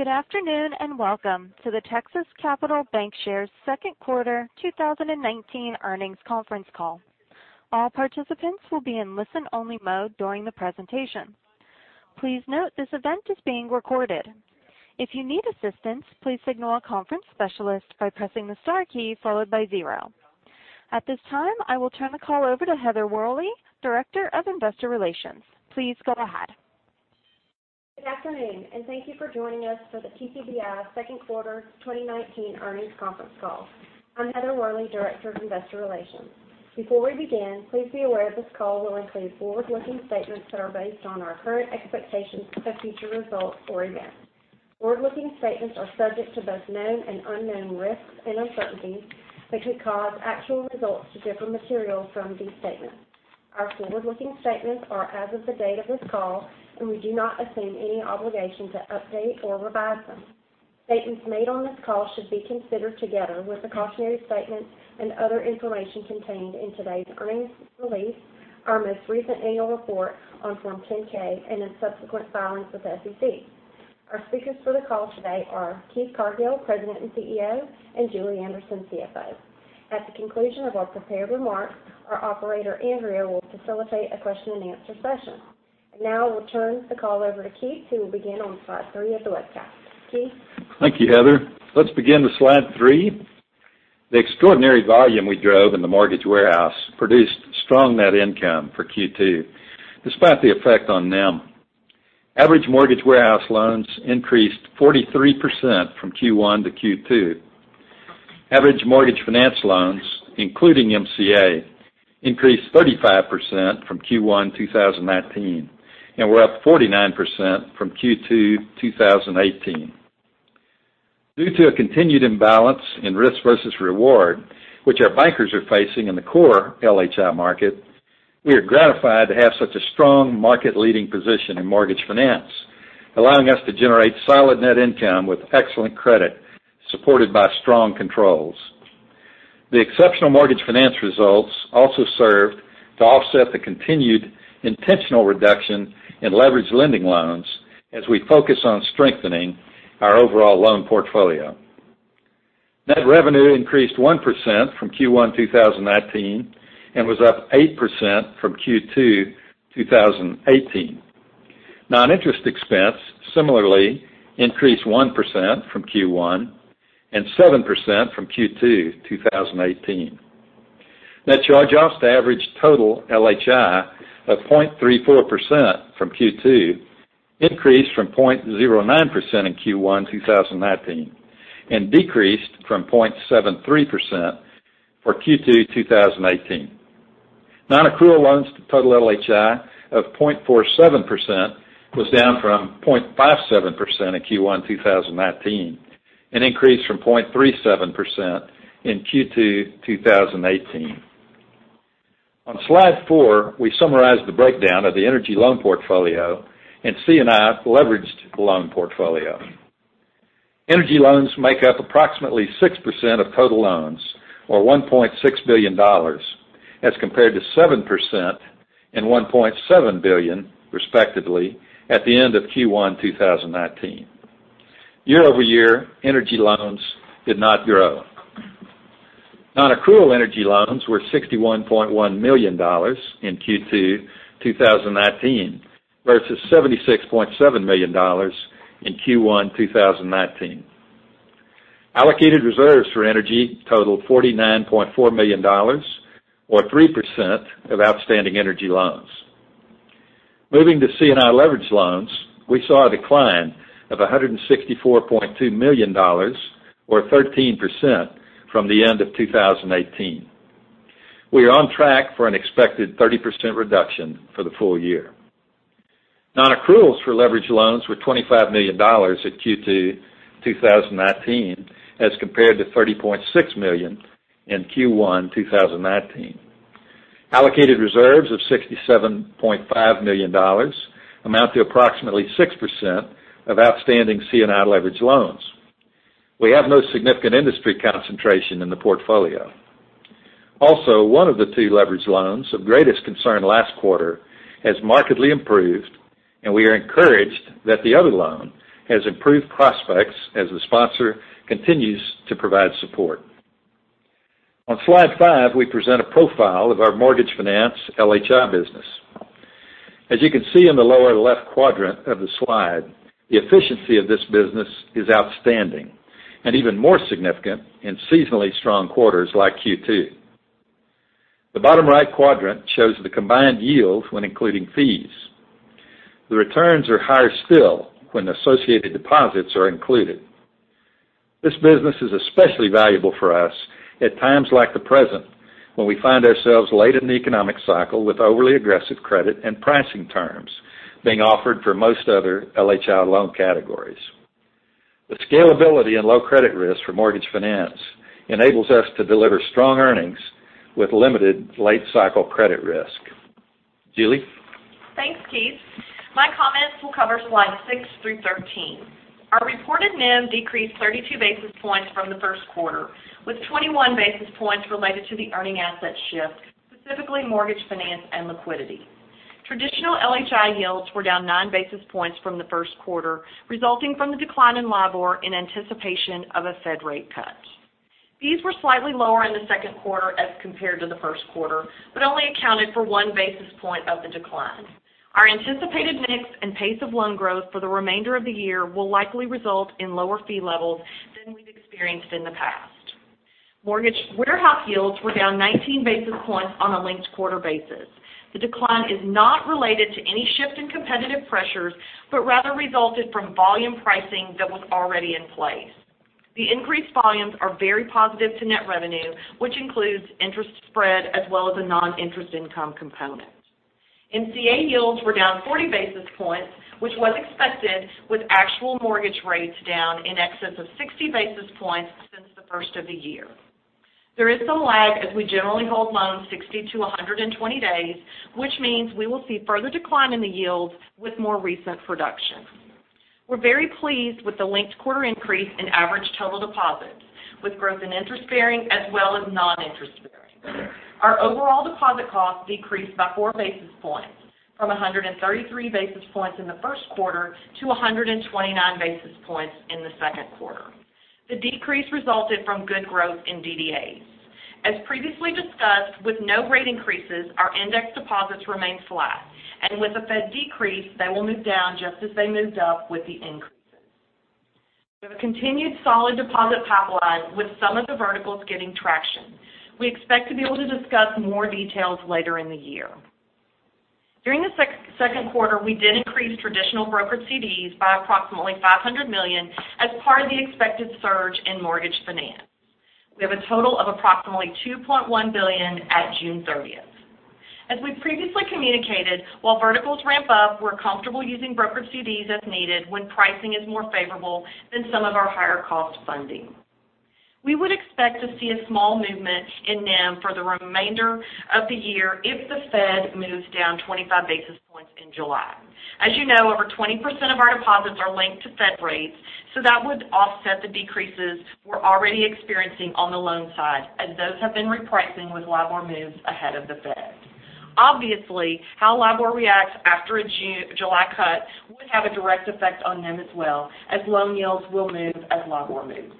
Good afternoon, welcome to the Texas Capital Bancshares second quarter 2019 earnings conference call. All participants will be in listen-only mode during the presentation. Please note this event is being recorded. If you need assistance, please signal a conference specialist by pressing the star key followed by zero. At this time, I will turn the call over to Heather Worley, Director of Investor Relations. Please go ahead. Good afternoon, thank you for joining us for the TCBI second quarter 2019 earnings conference call. I'm Heather Worley, Director of Investor Relations. Before we begin, please be aware this call will include forward-looking statements that are based on our current expectations of future results or events. Forward-looking statements are subject to both known and unknown risks and uncertainties that could cause actual results to differ materially from these statements. Our forward-looking statements are as of the date of this call, we do not assume any obligation to update or revise them. Statements made on this call should be considered together with the cautionary statements and other information contained in today's earnings release, our most recent annual report on Form 10-K, in subsequent filings with the SEC. Our speakers for the call today are Keith Cargill, President and CEO, and Julie Anderson, CFO. At the conclusion of our prepared remarks, our operator, Andrea, will facilitate a question and answer session. Now we'll turn the call over to Keith, who will begin on slide three of the webcast. Keith? Thank you, Heather. Let's begin with slide three. The extraordinary volume we drove in the mortgage warehouse produced strong net income for Q2, despite the effect on NIM. Average mortgage warehouse loans increased 43% from Q1 to Q2. Average mortgage finance loans, including MCA, increased 35% from Q1 2019, were up 49% from Q2 2018. Due to a continued imbalance in risk versus reward, which our bankers are facing in the core LHI market, we are gratified to have such a strong market-leading position in mortgage finance, allowing us to generate solid net income with excellent credit, supported by strong controls. The exceptional mortgage finance results also served to offset the continued intentional reduction in leveraged lending loans as we focus on strengthening our overall loan portfolio. Net revenue increased 1% from Q1 2019 was up 8% from Q2 2018. Non-interest expense similarly increased 1% from Q1 and 7% from Q2 2018. Net charge-offs to average total LHI of 0.34% from Q2 increased from 0.09% in Q1 2019 and decreased from 0.73% for Q2 2018. Non-accrual loans to total LHI of 0.47% was down from 0.57% in Q1 2019 and increased from 0.37% in Q2 2018. On slide four, we summarize the breakdown of the energy loan portfolio and C&I leveraged loan portfolio. Energy loans make up approximately 6% of total loans, or $1.6 billion, as compared to 7% and $1.7 billion, respectively, at the end of Q1 2019. Year-over-year, energy loans did not grow. Non-accrual energy loans were $61.1 million in Q2 2019, versus $76.7 million in Q1 2019. Allocated reserves for energy totaled $49.4 million, or 3% of outstanding energy loans. Moving to C&I leverage loans, we saw a decline of $164.2 million, or 13%, from the end of 2018. We are on track for an expected 30% reduction for the full year. Non-accruals for leverage loans were $25 million at Q2 2019, as compared to $30.6 million in Q1 2019. Allocated reserves of $67.5 million amount to approximately 6% of outstanding C&I leverage loans. We have no significant industry concentration in the portfolio. Also, one of the two leverage loans of greatest concern last quarter has markedly improved, and we are encouraged that the other loan has improved prospects as the sponsor continues to provide support. On slide five, we present a profile of our mortgage finance LHI business. As you can see in the lower left quadrant of the slide, the efficiency of this business is outstanding, and even more significant in seasonally strong quarters like Q2. The bottom right quadrant shows the combined yield when including fees. The returns are higher still when associated deposits are included. This business is especially valuable for us at times like the present, when we find ourselves late in the economic cycle with overly aggressive credit and pricing terms being offered for most other LHI loan categories. The scalability and low credit risk for mortgage finance enables us to deliver strong earnings with limited late cycle credit risk. Julie? Thanks, Keith. My comments will cover slides six through thirteen. Our reported NIM decreased 32 basis points from the first quarter, with 21 basis points related to the earning asset shift, specifically mortgage finance and liquidity Traditional LHI yields were down nine basis points from the first quarter, resulting from the decline in LIBOR in anticipation of a Fed rate cut. Fees were slightly lower in the second quarter as compared to the first quarter, but only accounted for one basis point of the decline. Our anticipated mix and pace of loan growth for the remainder of the year will likely result in lower fee levels than we've experienced in the past. Mortgage warehouse yields were down 19 basis points on a linked quarter basis. The decline is not related to any shift in competitive pressures, but rather resulted from volume pricing that was already in place. The increased volumes are very positive to net revenue, which includes interest spread as well as a non-interest income component. NCA yields were down 40 basis points, which was expected with actual mortgage rates down in excess of 60 basis points since the first of the year. There is some lag as we generally hold loans 60 to 120 days, which means we will see further decline in the yields with more recent production. We're very pleased with the linked quarter increase in average total deposits, with growth in interest-bearing as well as non-interest-bearing. Our overall deposit cost decreased by four basis points, from 133 basis points in the first quarter to 129 basis points in the second quarter. The decrease resulted from good growth in DDAs. As previously discussed, with no rate increases, our index deposits remained flat, and with a Fed decrease, they will move down just as they moved up with the increases. We have a continued solid deposit pipeline with some of the verticals getting traction. We expect to be able to discuss more details later in the year. During the second quarter, we did increase traditional brokered CDs by approximately $500 million as part of the expected surge in mortgage finance. We have a total of approximately $2.1 billion at June 30th. As we previously communicated, while verticals ramp up, we're comfortable using brokered CDs as needed when pricing is more favorable than some of our higher cost funding. We would expect to see a small movement in NIM for the remainder of the year if the Fed moves down 25 basis points in July. As you know, over 20% of our deposits are linked to Fed rates, so that would offset the decreases we're already experiencing on the loan side, as those have been repricing with LIBOR moves ahead of the Fed. Obviously, how LIBOR reacts after a July cut would have a direct effect on NIM as well, as loan yields will move as LIBOR moves.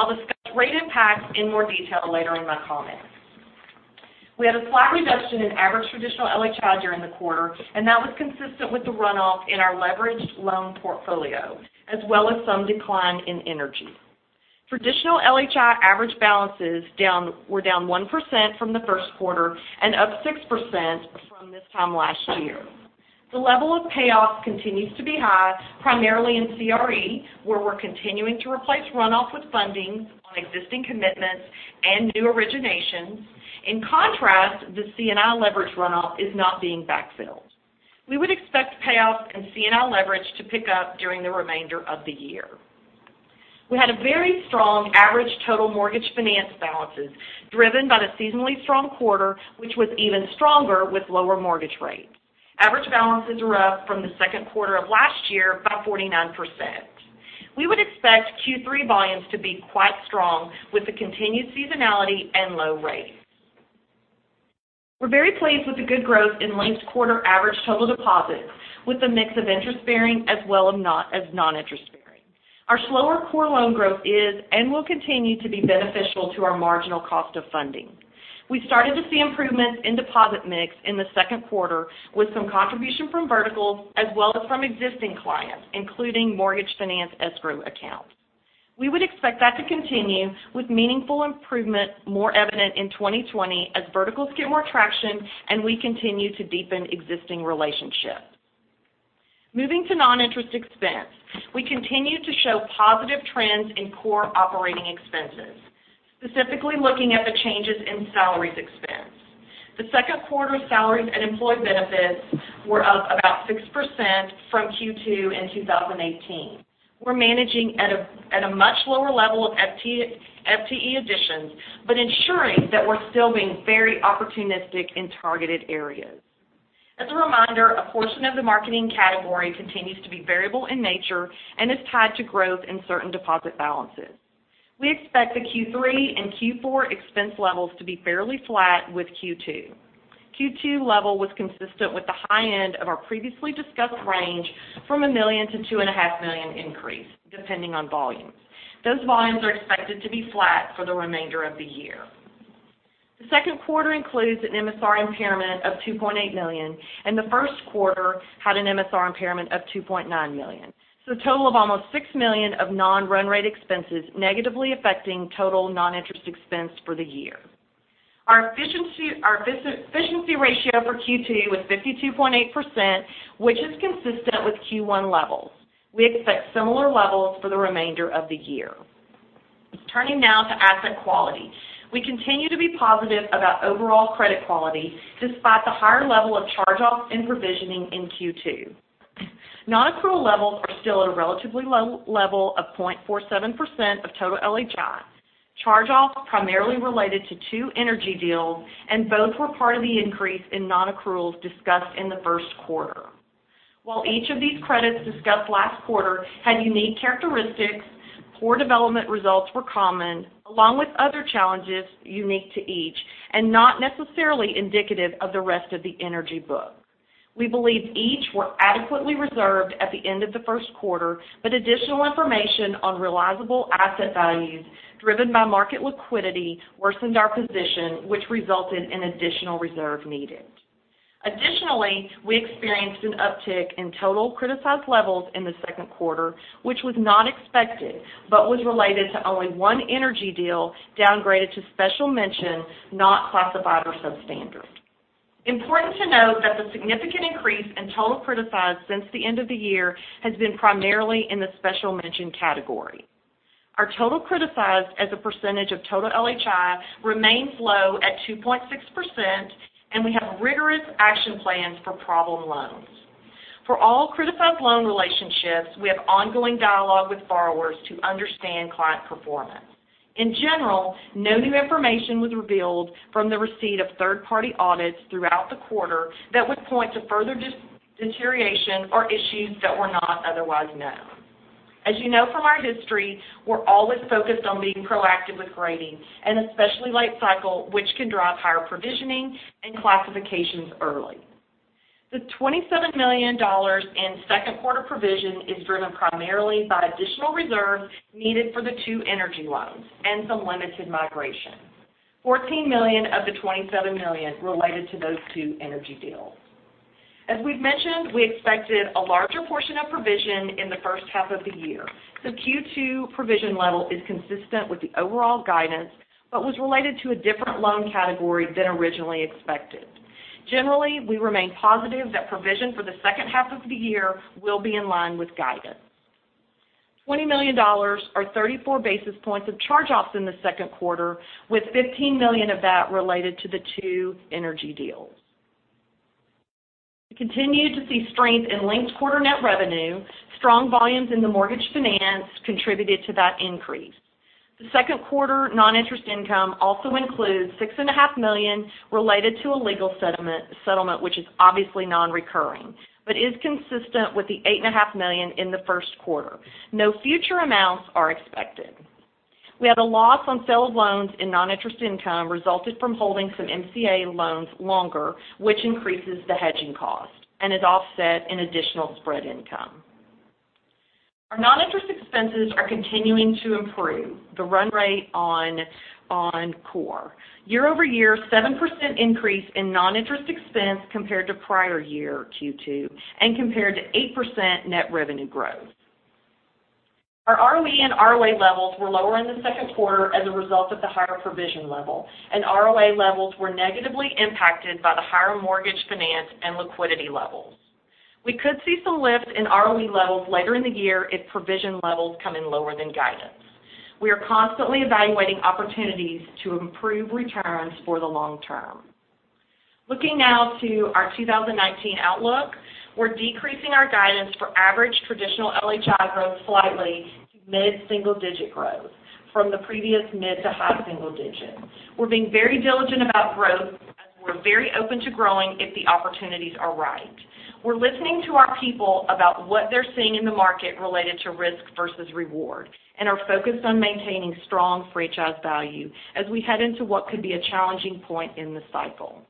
I'll discuss rate impacts in more detail later in my comments. We had a slight reduction in average traditional LHI during the quarter, and that was consistent with the runoff in our leveraged loan portfolio, as well as some decline in energy. Traditional LHI average balances were down 1% from the first quarter and up 6% from this time last year. The level of payoffs continues to be high, primarily in CRE, where we're continuing to replace runoff with fundings on existing commitments and new originations. In contrast, the C&I leverage runoff is not being backfilled. We would expect payoffs and C&I leverage to pick up during the remainder of the year. We had a very strong average total mortgage finance balances driven by the seasonally strong quarter, which was even stronger with lower mortgage rates. Average balances are up from the second quarter of last year by 49%. We would expect Q3 volumes to be quite strong with the continued seasonality and low rates. We're very pleased with the good growth in linked quarter average total deposits with a mix of interest bearing as well as non-interest bearing. Our slower core loan growth is and will continue to be beneficial to our marginal cost of funding. We started to see improvements in deposit mix in the second quarter with some contribution from verticals as well as from existing clients, including mortgage finance escrow accounts. We would expect that to continue with meaningful improvement more evident in 2020 as verticals get more traction and we continue to deepen existing relationships. Moving to non-interest expense. We continue to show positive trends in core operating expenses, specifically looking at the changes in salaries expense. The second quarter salaries and employee benefits were up about 6% from Q2 in 2018. We're managing at a much lower level of FTE additions, but ensuring that we're still being very opportunistic in targeted areas. As a reminder, a portion of the marketing category continues to be variable in nature and is tied to growth in certain deposit balances. We expect the Q3 and Q4 expense levels to be fairly flat with Q2. Q2 level was consistent with the high end of our previously discussed range from $1 million-$2.5 million increase, depending on volumes. Those volumes are expected to be flat for the remainder of the year. The second quarter includes an MSR impairment of $2.8 million, and the first quarter had an MSR impairment of $2.9 million. A total of almost $6 million of non-run rate expenses negatively affecting total non-interest expense for the year. Our efficiency ratio for Q2 was 52.8%, which is consistent with Q1 levels. We expect similar levels for the remainder of the year. Turning now to asset quality. We continue to be positive about overall credit quality, despite the higher level of charge-offs and provisioning in Q2. Non-accrual levels are still at a relatively low level of 0.47% of total LHI. Charge-offs primarily related to two energy deals, and both were part of the increase in non-accruals discussed in the first quarter. While each of these credits discussed last quarter had unique characteristics, poor development results were common, along with other challenges unique to each, and not necessarily indicative of the rest of the energy book. We believe each were adequately reserved at the end of the first quarter, but additional information on realizable asset values driven by market liquidity worsened our position, which resulted in additional reserve needed. Additionally, we experienced an uptick in total criticized levels in the second quarter, which was not expected, but was related to only one energy deal downgraded to special mention, not classified or substandard. Important to note that the significant increase in total criticized since the end of the year has been primarily in the special mention category. Our total criticized as a percentage of total LHI remains low at 2.6%. We have rigorous action plans for problem loans. For all criticized loan relationships, we have ongoing dialogue with borrowers to understand client performance. In general, no new information was revealed from the receipt of third-party audits throughout the quarter that would point to further deterioration or issues that were not otherwise known. As you know from our history, we're always focused on being proactive with grading, and especially late cycle, which can drive higher provisioning and classifications early. The $27 million in second quarter provision is driven primarily by additional reserve needed for the two energy loans and some limited migration. $14 million of the $27 million related to those two energy deals. As we've mentioned, we expected a larger portion of provision in the first half of the year. The Q2 provision level is consistent with the overall guidance. It was related to a different loan category than originally expected. Generally, we remain positive that provision for the second half of the year will be in line with guidance. $20 million or 34 basis points of charge-offs in the second quarter, with $15 million of that related to the two energy deals. We continue to see strength in linked quarter net revenue. Strong volumes in the mortgage finance contributed to that increase. The second quarter non-interest income also includes $6.5 million related to a legal settlement, which is obviously non-recurring, but is consistent with the $8.5 million in the first quarter. No future amounts are expected. We had a loss on sale of loans in non-interest income resulted from holding some MCA loans longer, which increases the hedging cost and is offset in additional spread income. Our non-interest expenses are continuing to improve the run rate on core. Year-over-year, 7% increase in non-interest expense compared to prior year Q2 and compared to 8% net revenue growth. Our ROE and ROA levels were lower in the second quarter as a result of the higher provision level, and ROA levels were negatively impacted by the higher mortgage finance and liquidity levels. We could see some lift in ROE levels later in the year if provision levels come in lower than guidance. We are constantly evaluating opportunities to improve returns for the long term. Looking now to our 2019 outlook, we're decreasing our guidance for average traditional LHI growth slightly to mid-single-digit growth from the previous mid-to-high single-digit. We're being very diligent about growth, as we're very open to growing if the opportunities are right. We're listening to our people about what they're seeing in the market related to risk versus reward and are focused on maintaining strong for each value as we head into what could be a challenging point in the cycle.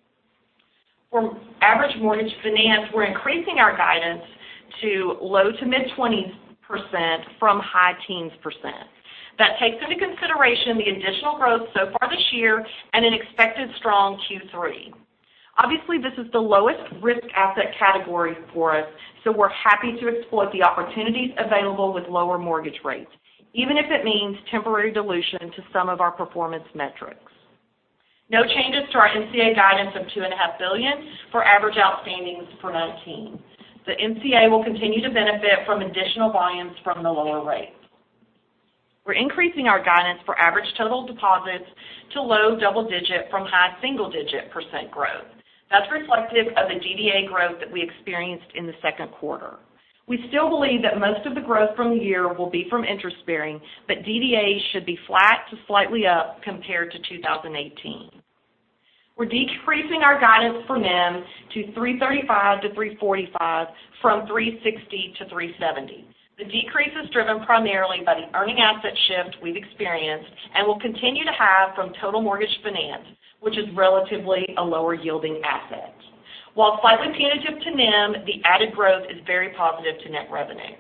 From average mortgage finance, we're increasing our guidance to low-to-mid 20% from 13%. That takes into consideration the additional growth so far this year and an expected strong Q3. Obviously, this is the lowest risk asset category for us, so we're happy to exploit the opportunities available with lower mortgage rates, even if it means temporary dilution to some of our performance metrics. No changes to our NCA guidance of $2.5 billion for average outstandings for 2019. The NCA will continue to benefit from additional volumes from the lower rates. We're increasing our guidance for average total deposits to low-double-digit from high-single-digit percent growth. That's reflective of the DDA growth that we experienced in the second quarter. We still believe that most of the growth from the year will be from interest bearing, but DDAs should be flat to slightly up compared to 2018. We're decreasing our guidance for NIM to 335-345 from 360-370. The decrease is driven primarily by the earning asset shift we've experienced and will continue to have from total mortgage finance, which is relatively a lower yielding asset. While slightly punitive to NIM, the added growth is very positive to net revenue.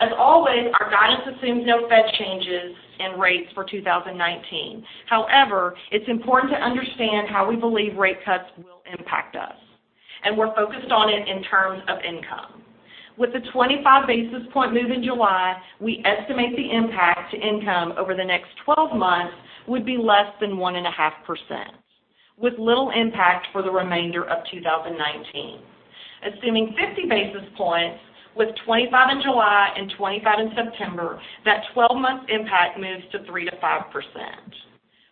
As always, our guidance assumes no Fed changes in rates for 2019. However, it's important to understand how we believe rate cuts will impact us, and we're focused on it in terms of income. With the 25 basis points move in July, we estimate the impact to income over the next 12 months would be less than 1.5%, with little impact for the remainder of 2019. Assuming 50 basis points, with 25 in July and 25 in September, that 12-month impact moves to 3%-5%.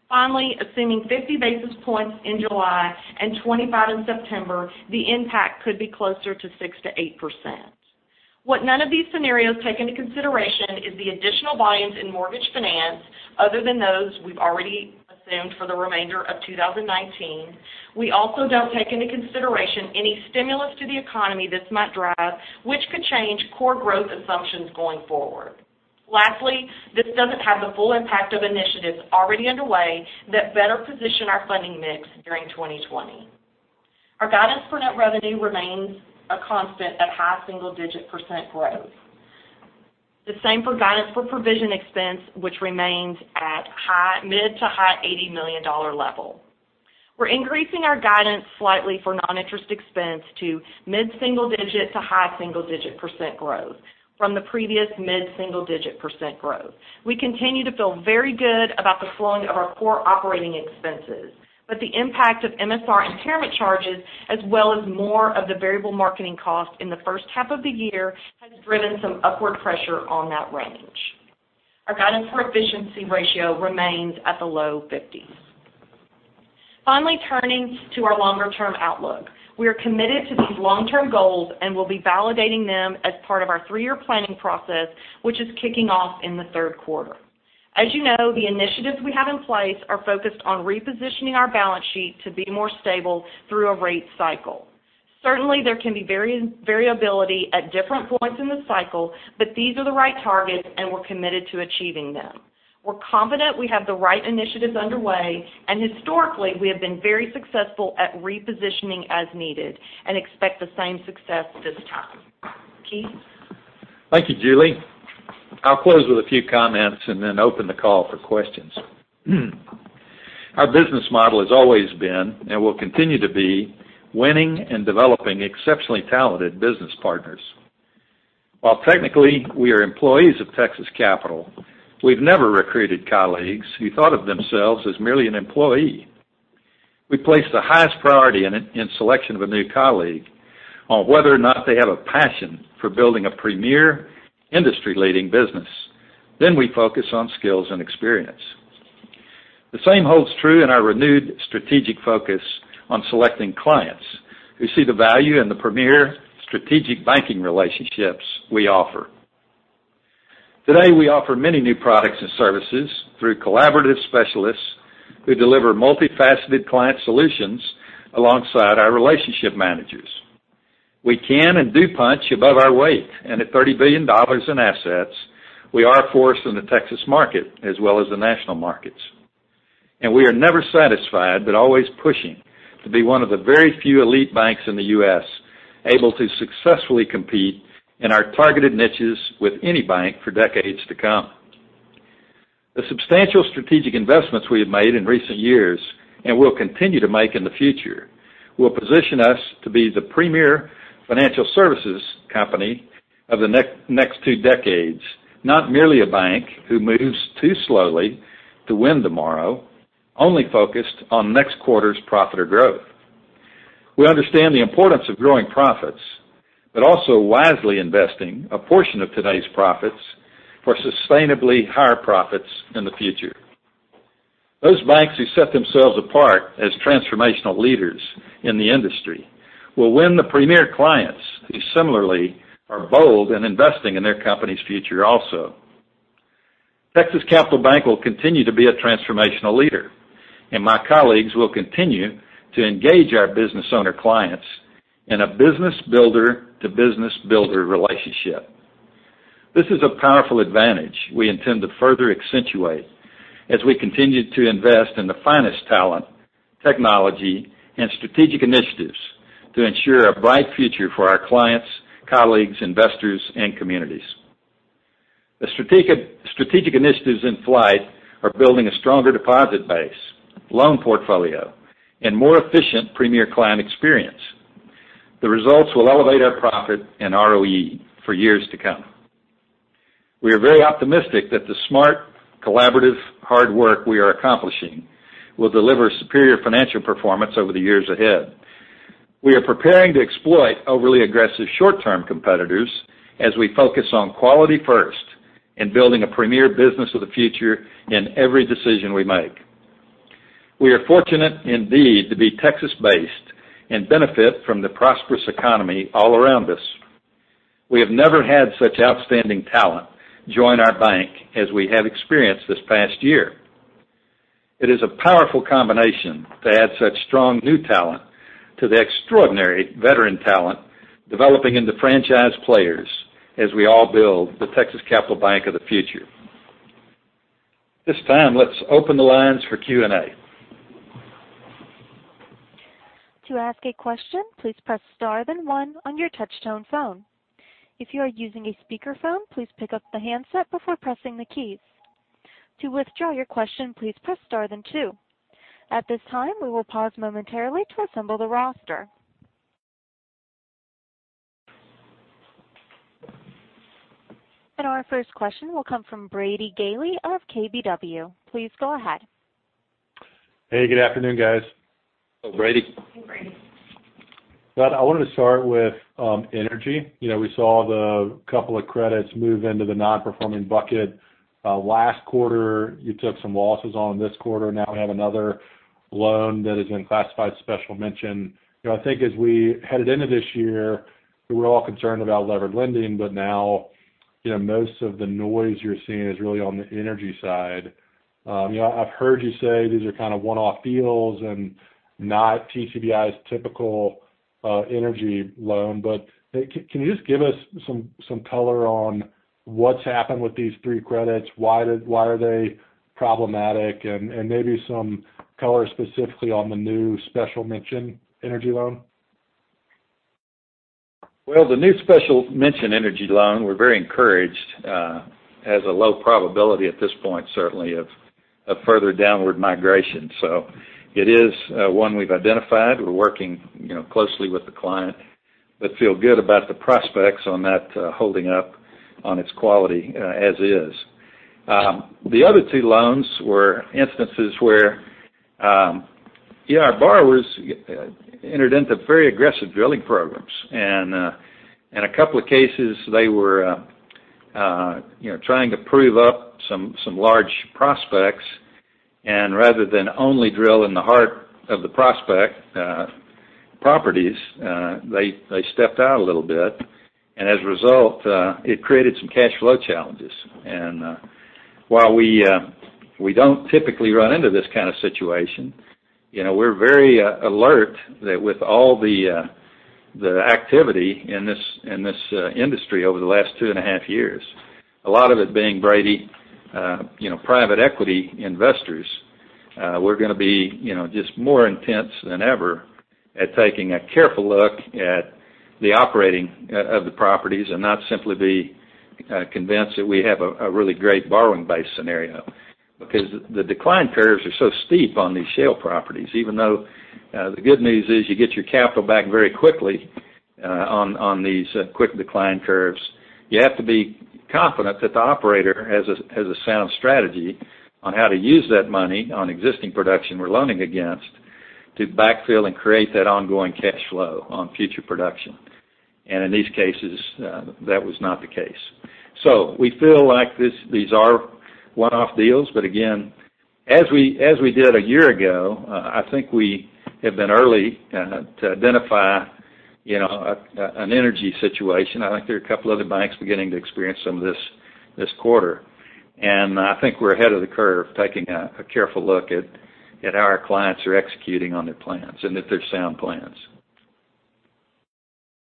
Finally, assuming 50 basis points in July and 25 in September, the impact could be closer to 6%-8%. What none of these scenarios take into consideration is the additional volumes in mortgage finance, other than those we've already assumed for the remainder of 2019. We also don't take into consideration any stimulus to the economy this might drive, which could change core growth assumptions going forward. Lastly, this doesn't have the full impact of initiatives already underway that better position our funding mix during 2020. Our guidance for net revenue remains a constant at high single-digit percent growth. The same for guidance for provision expense, which remains at mid to high $80 million level. We're increasing our guidance slightly for non-interest expense to mid single-digit to high single-digit percent growth from the previous mid single-digit percent growth. We continue to feel very good about the slowing of our core operating expenses, but the impact of MSR impairment charges, as well as more of the variable marketing cost in the first half of the year, has driven some upward pressure on that range. Our guidance for efficiency ratio remains at the low 50s. Finally, turning to our longer-term outlook. We are committed to these long-term goals and will be validating them as part of our three-year planning process, which is kicking off in the third quarter. As you know, the initiatives we have in place are focused on repositioning our balance sheet to be more stable through a rate cycle. Certainly, there can be variability at different points in the cycle, but these are the right targets, and we're committed to achieving them. We're confident we have the right initiatives underway, and historically, we have been very successful at repositioning as needed and expect the same success this time. Keith? Thank you, Julie. I'll close with a few comments and open the call for questions. Our business model has always been, and will continue to be, winning and developing exceptionally talented business partners. While technically we are employees of Texas Capital, we've never recruited colleagues who thought of themselves as merely an employee. We place the highest priority in selection of a new colleague on whether or not they have a passion for building a premier, industry-leading business. We focus on skills and experience. The same holds true in our renewed strategic focus on selecting clients who see the value in the premier strategic banking relationships we offer. Today, we offer many new products and services through collaborative specialists who deliver multifaceted client solutions alongside our relationship managers. We can and do punch above our weight, at $30 billion in assets, we are a force in the Texas market as well as the national markets. We are never satisfied, but always pushing to be one of the very few elite banks in the U.S. able to successfully compete in our targeted niches with any bank for decades to come. The substantial strategic investments we have made in recent years, and will continue to make in the future, will position us to be the premier financial services company of the next two decades, not merely a bank who moves too slowly to win tomorrow, only focused on next quarter's profit or growth. We understand the importance of growing profits, but also wisely investing a portion of today's profits for sustainably higher profits in the future. Those banks who set themselves apart as transformational leaders in the industry will win the premier clients who similarly are bold in investing in their company's future also. Texas Capital Bank will continue to be a transformational leader, my colleagues will continue to engage our business owner clients in a business builder to business builder relationship. This is a powerful advantage we intend to further accentuate as we continue to invest in the finest talent, technology, and strategic initiatives to ensure a bright future for our clients, colleagues, investors, and communities. The strategic initiatives in flight are building a stronger deposit base, loan portfolio, and more efficient premier client experience. The results will elevate our profit and ROE for years to come. We are very optimistic that the smart, collaborative, hard work we are accomplishing will deliver superior financial performance over the years ahead. We are preparing to exploit overly aggressive short-term competitors as we focus on quality first in building a premier business of the future in every decision we make. We are fortunate indeed to be Texas-based and benefit from the prosperous economy all around us. We have never had such outstanding talent join our bank as we have experienced this past year. It is a powerful combination to add such strong new talent to the extraordinary veteran talent developing into franchise players as we all build the Texas Capital Bank of the future. At this time, let's open the lines for Q&A. To ask a question, please press star, then one on your touchtone phone. If you are using a speakerphone, please pick up the handset before pressing the keys. To withdraw your question, please press star, then two. At this time, we will pause momentarily to assemble the roster. Our first question will come from Brady Gailey of KBW. Please go ahead. Hey, good afternoon, guys. Hello, Brady. Hey, Brady. I wanted to start with energy. We saw the couple of credits move into the non-performing bucket. Last quarter, you took some losses. On this quarter, now we have another loan that has been classified special mention. I think as we headed into this year, we were all concerned about levered lending, but now, most of the noise you're seeing is really on the energy side. I've heard you say these are kind of one-off deals and not TCBI's typical energy loan. Can you just give us some color on what's happened with these three credits? Why are they problematic? Maybe some color specifically on the new special mention energy loan. The new special mention energy loan, we're very encouraged, has a low probability at this point, certainly, of a further downward migration. It is one we've identified. We're working closely with the client, feel good about the prospects on that holding up on its quality as is. The other two loans were instances where our borrowers entered into very aggressive drilling programs. In a couple of cases, they were trying to prove up some large prospects, rather than only drill in the heart of the prospect properties, they stepped out a little bit. As a result, it created some cash flow challenges. While we don't typically run into this kind of situation, we're very alert that with all the activity in this industry over the last two and a half years, a lot of it being, Brady, private equity investors. We're going to be just more intense than ever at taking a careful look at the operating of the properties and not simply be convinced that we have a really great borrowing base scenario, because the decline curves are so steep on these shale properties. Even though the good news is you get your capital back very quickly on these quick decline curves, you have to be confident that the operator has a sound strategy on how to use that money on existing production we're loaning against to backfill and create that ongoing cash flow on future production. In these cases, that was not the case. We feel like these are one-off deals. Again, as we did a year ago, I think we have been early to identify an energy situation. I think there are a couple other banks beginning to experience some of this this quarter. I think we're ahead of the curve, taking a careful look at how our clients are executing on their plans and that they're sound plans.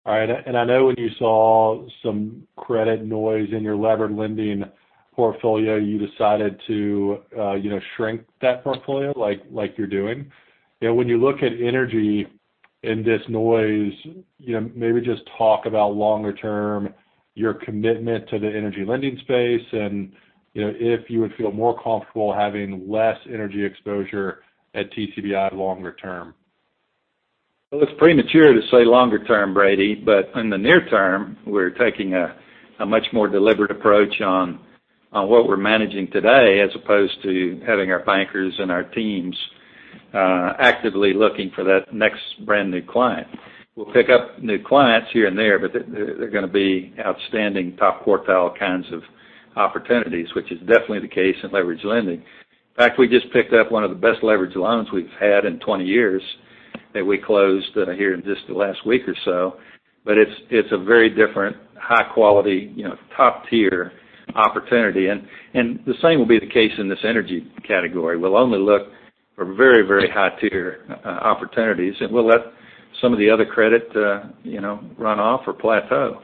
All right. I know when you saw some credit noise in your leveraged lending portfolio, you decided to shrink that portfolio like you're doing. When you look at energy in this noise, maybe just talk about longer term, your commitment to the energy lending space and if you would feel more comfortable having less energy exposure at TCBI longer term. Well, it's premature to say longer term, Brady, in the near term, we're taking a much more deliberate approach on what we're managing today as opposed to having our bankers and our teams actively looking for that next brand-new client. We'll pick up new clients here and there, but they're going to be outstanding top quartile kinds of opportunities, which is definitely the case in leveraged lending. In fact, we just picked up one of the best leveraged loans we've had in 20 years that we closed here in just the last week or so. It's a very different high quality, top-tier opportunity. The same will be the case in this energy category. We'll only look for very high-tier opportunities, and we'll let some of the other credit run off or plateau.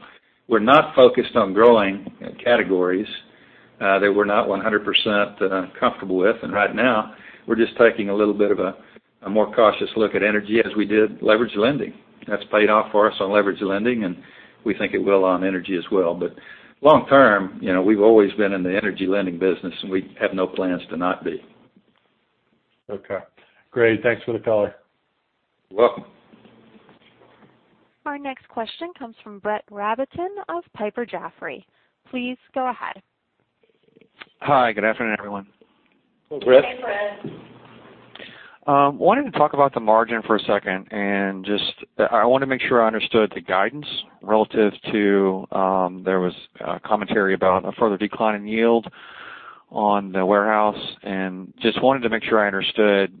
We're not focused on growing categories that we're not 100% comfortable with. Right now, we're just taking a little bit of a more cautious look at energy as we did leveraged lending. That's paid off for us on leveraged lending, and we think it will on energy as well. Long term, we've always been in the energy lending business, and we have no plans to not be. Okay, great. Thanks for the color. You're welcome. Our next question comes from Brett Rabatin of Piper Jaffray. Please go ahead. Hi, good afternoon, everyone. Hello, Brett. Hey, Brett. I want to make sure I understood the guidance relative to, there was commentary about a further decline in yield on the warehouse, and just wanted to make sure I understood,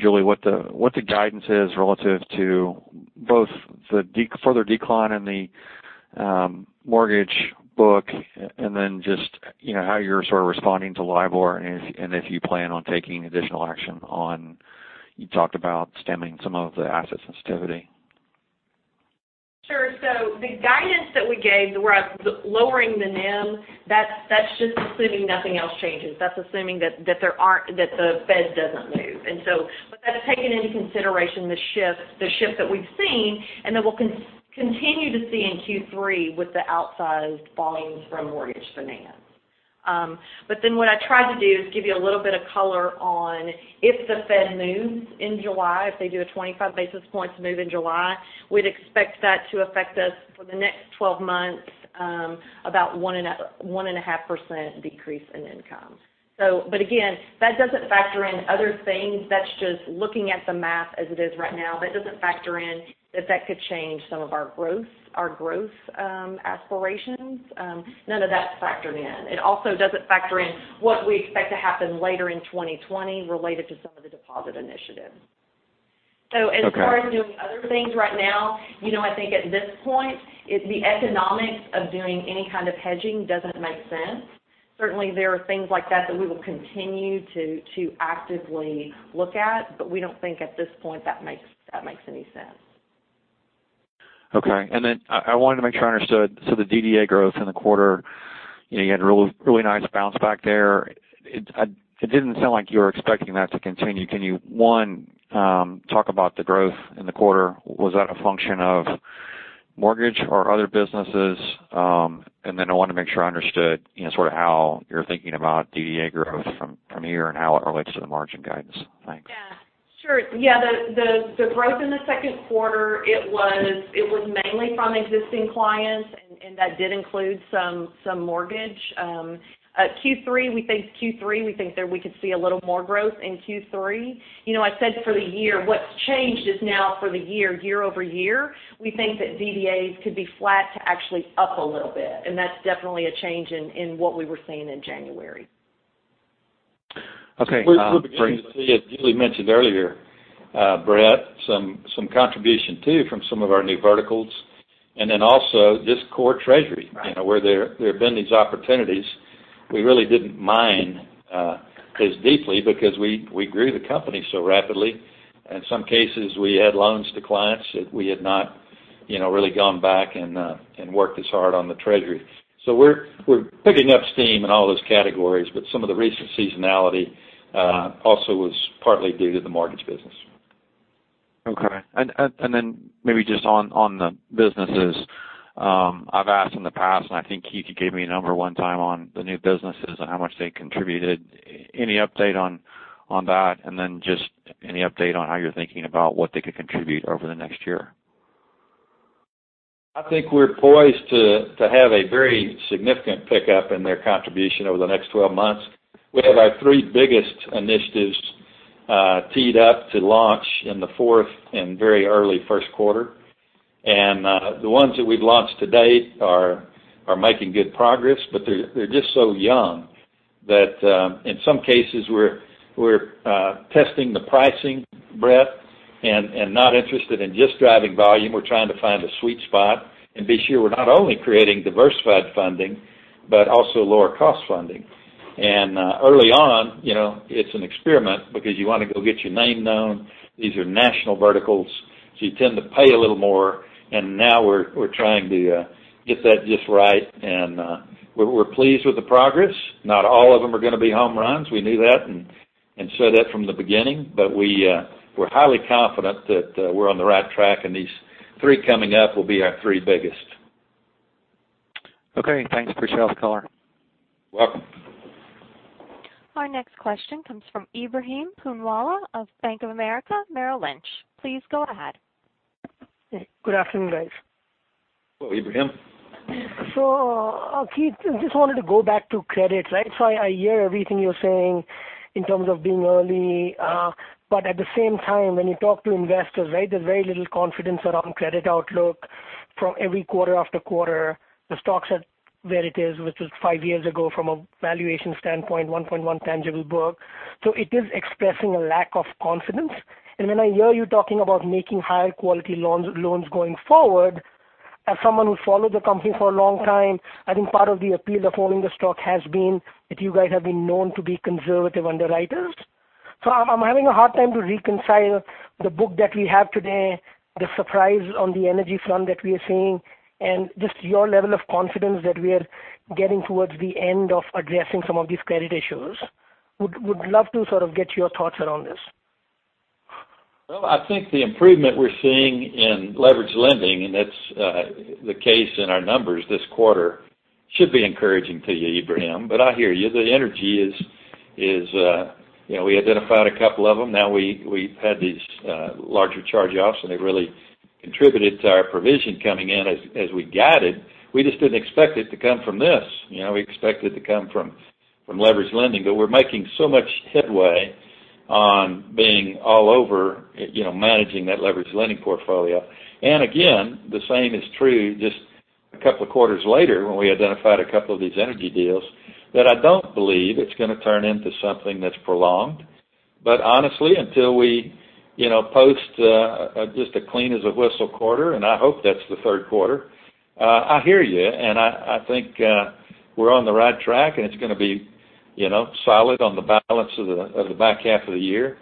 Julie, what the guidance is relative to both the further decline in the mortgage book and then just how you're sort of responding to LIBOR and if you plan on taking additional action on, you talked about stemming some of the asset sensitivity. Sure. The guidance that we gave where I was lowering the NIM, that's just assuming nothing else changes. That's assuming that the Fed doesn't move. That's taking into consideration the shift that we've seen and that we'll continue to see in Q3 with the outsized volumes from mortgage finance. What I tried to do is give you a little bit of color on if the Fed moves in July, if they do a 25 basis points move in July, we'd expect that to affect us for the next 12 months, about 1.5% decrease in income. Again, that doesn't factor in other things. That's just looking at the math as it is right now. That doesn't factor in if that could change some of our growth aspirations. None of that's factored in. It also doesn't factor in what we expect to happen later in 2020 related to some of the deposit initiatives. As far as doing other things right now, I think at this point, the economics of doing any kind of hedging doesn't make sense. Certainly, there are things like that we will continue to actively look at, but we don't think at this point that makes any sense. Okay. I wanted to make sure I understood. The DDA growth in the quarter, you had a really nice bounce back there. It didn't sound like you were expecting that to continue. Can you, one, talk about the growth in the quarter? Was that a function of mortgage or other businesses? I want to make sure I understood sort of how you're thinking about DDA growth from here and how it relates to the margin guidance. Thanks. Sure. The growth in the second quarter, it was mainly from existing clients, and that did include some mortgage. Q3, we think there we could see a little more growth in Q3. I said for the year, what's changed is now for the year-over-year, we think that DDAs could be flat to actually up a little bit, and that's definitely a change in what we were seeing in January. Okay. Great. We're beginning to see, as Julie Anderson mentioned earlier, Brett Rabatin, some contribution too from some of our new verticals. Also this core treasury, where there have been these opportunities, we really didn't mine as deeply because we grew the company so rapidly. In some cases, we had loans to clients that we had not really gone back and worked as hard on the treasury. We're picking up steam in all those categories, but some of the recent seasonality also was partly due to the mortgage business. Maybe just on the businesses, I've asked in the past, and I think Keith Cargill could give me a number one time on the new businesses and how much they contributed. Any update on that? Just any update on how you're thinking about what they could contribute over the next year? I think we're poised to have a very significant pickup in their contribution over the next 12 months. We have our three biggest initiatives teed up to launch in the fourth and very early first quarter. The ones that we've launched to date are making good progress, but they're just so young that in some cases we're testing the pricing, Brett Rabatin, not interested in just driving volume. We're trying to find a sweet spot and be sure we're not only creating diversified funding, but also lower cost funding. Early on, it's an experiment because you want to go get your name known. These are national verticals, you tend to pay a little more. Now we're trying to get that just right. We're pleased with the progress. Not all of them are going to be home runs. We knew that and said that from the beginning. We're highly confident that we're on the right track, these three coming up will be our three biggest. Okay, thanks. Appreciate the call. You're welcome. Our next question comes from Ebrahim Poonawala of Bank of America Merrill Lynch. Please go ahead. Good afternoon, guys. Hello, Ebrahim. Keith, just wanted to go back to credit. I hear everything you're saying in terms of being early. At the same time, when you talk to investors, there's very little confidence around credit outlook from every quarter-after-quarter. The stocks are where it is, which is five years ago from a valuation standpoint, 1.1 tangible book. It is expressing a lack of confidence. When I hear you talking about making high quality loans going forward, as someone who followed the company for a long time, I think part of the appeal of holding the stock has been that you guys have been known to be conservative underwriters. I'm having a hard time to reconcile the book that we have today, the surprise on the energy front that we are seeing, and just your level of confidence that we are getting towards the end of addressing some of these credit issues. Would love to sort of get your thoughts around this. Well, I think the improvement we're seeing in leveraged lending, and that's the case in our numbers this quarter, should be encouraging to you, Ebrahim. I hear you. The energy is, we identified a couple of them. Now we've had these larger charge-offs, and they really contributed to our provision coming in as we guided. We just didn't expect it to come from this. We expected it to come from leveraged lending. But we're making so much headway on being all over managing that leveraged lending portfolio. Again, the same is true just a couple of quarters later when we identified a couple of these energy deals, that I don't believe it's going to turn into something that's prolonged. Honestly, until we post just a clean as a whistle quarter, and I hope that's the third quarter, I hear you, and I think we're on the right track, and it's going to be solid on the balance of the back half of the year.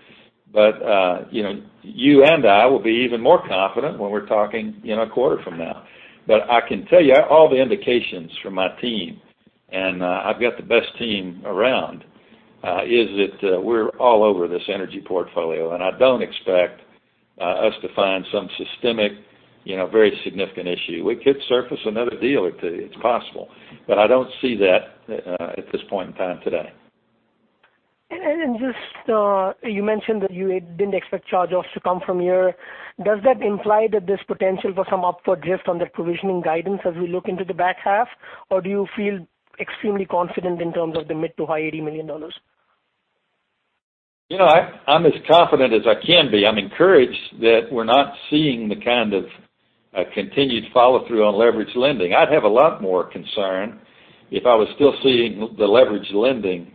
You and I will be even more confident when we're talking in a quarter from now. I can tell you all the indications from my team, and I've got the best team around, is that we're all over this energy portfolio, and I don't expect us to find some systemic, very significant issue. We could surface another deal or two. It's possible. I don't see that at this point in time today. Just you mentioned that you didn't expect charge-offs to come from here. Does that imply that there's potential for some upward drift on that provisioning guidance as we look into the back half? Or do you feel extremely confident in terms of the mid to high $80 million? I'm as confident as I can be. I'm encouraged that we're not seeing the kind of a continued follow-through on leverage lending. I'd have a lot more concern if I was still seeing the leverage lending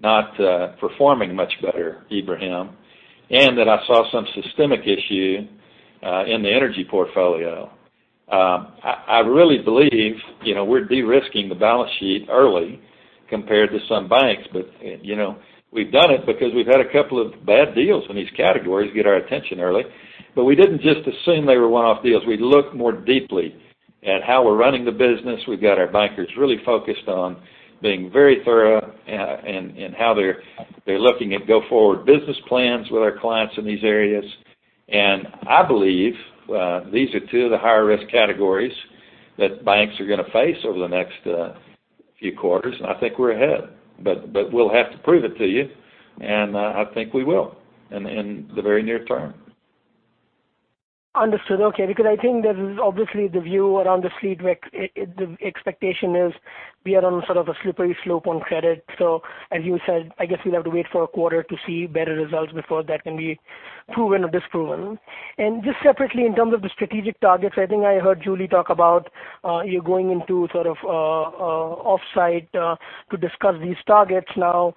not performing much better, Ebrahim, and that I saw some systemic issue in the energy portfolio. I really believe we're de-risking the balance sheet early compared to some banks. We've done it because we've had a couple of bad deals in these categories get our attention early. We didn't just assume they were one-off deals. We look more deeply at how we're running the business. We've got our bankers really focused on being very thorough in how they're looking at go-forward business plans with our clients in these areas. I believe these are two of the higher-risk categories that banks are going to face over the next few quarters, and I think we're ahead. We'll have to prove it to you, and I think we will in the very near term. Understood. I think there is obviously the view around the street, the expectation is we are on sort of a slippery slope on credit. As you said, I guess we'll have to wait for a quarter to see better results before that can be proven or disproven. Just separately, in terms of the strategic targets, I think I heard Julie talk about you going into sort of offsite to discuss these targets now.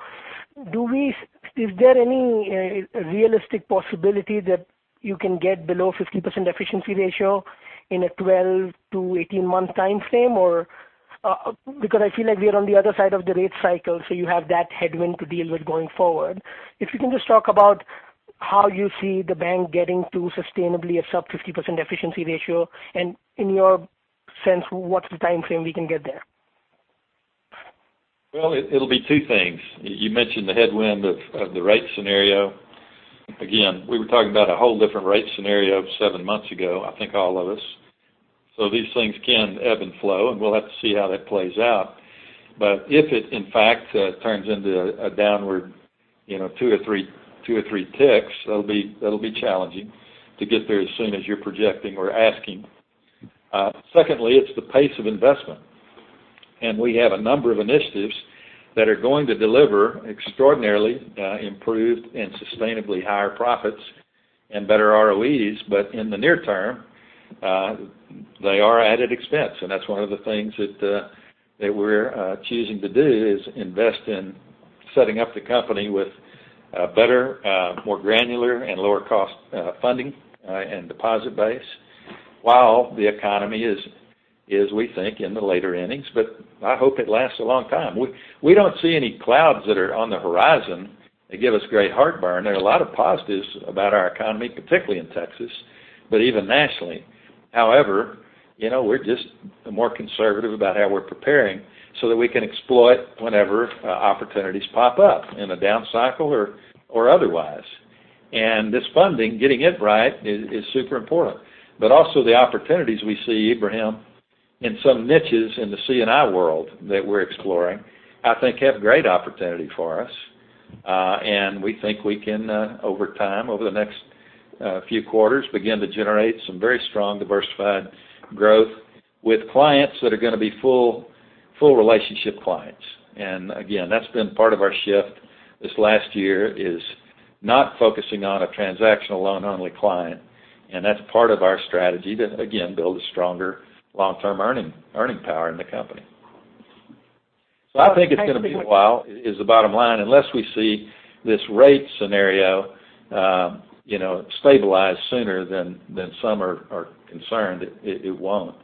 Is there any realistic possibility that you can get below 50% efficiency ratio in a 12 to 18-month time frame, or Because I feel like we are on the other side of the rate cycle, so you have that headwind to deal with going forward. If you can just talk about how you see the bank getting to sustainably a sub 50% efficiency ratio, in your sense, what's the time frame we can get there? It'll be two things. You mentioned the headwind of the rate scenario. Again, we were talking about a whole different rate scenario seven months ago, I think all of us. These things can ebb and flow, and we'll have to see how that plays out. If it, in fact, turns into a downward two or three ticks, that'll be challenging to get there as soon as you're projecting or asking. Secondly, it's the pace of investment. We have a number of initiatives that are going to deliver extraordinarily improved and sustainably higher profits and better ROEs. In the near term, they are added expense, and that's one of the things that we're choosing to do, is invest in setting up the company with better, more granular, and lower-cost funding and deposit base while the economy is, we think, in the later innings. I hope it lasts a long time. We don't see any clouds that are on the horizon that give us great heartburn. There are a lot of positives about our economy, particularly in Texas, even nationally. However, we're just more conservative about how we're preparing so that we can exploit whenever opportunities pop up in a down cycle or otherwise. This funding, getting it right is super important. Also, the opportunities we see, Ebrahim, in some niches in the C&I world that we're exploring, I think have great opportunity for us. We think we can, over time, over the next few quarters, begin to generate some very strong, diversified growth with clients that are going to be full relationship clients. Again, that's been part of our shift this last year, is not focusing on a transactional loan-only client. That's part of our strategy to, again, build a stronger long-term earning power in the company. I think it's going to be a while, is the bottom line, unless we see this rate scenario stabilize sooner than some are concerned it won't.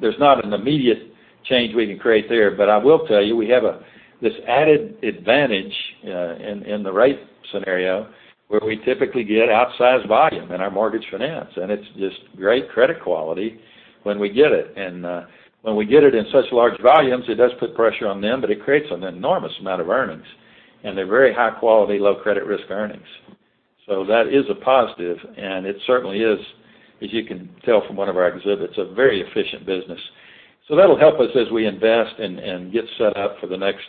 There's not an immediate change we can create there. I will tell you, we have this added advantage in the rate scenario where we typically get outsized volume in our mortgage finance, and it's just great credit quality when we get it. When we get it in such large volumes, it does put pressure on them, but it creates an enormous amount of earnings, and they're very high-quality, low credit risk earnings. That is a positive, and it certainly is, as you can tell from one of our exhibits, a very efficient business. That'll help us as we invest and get set up for the next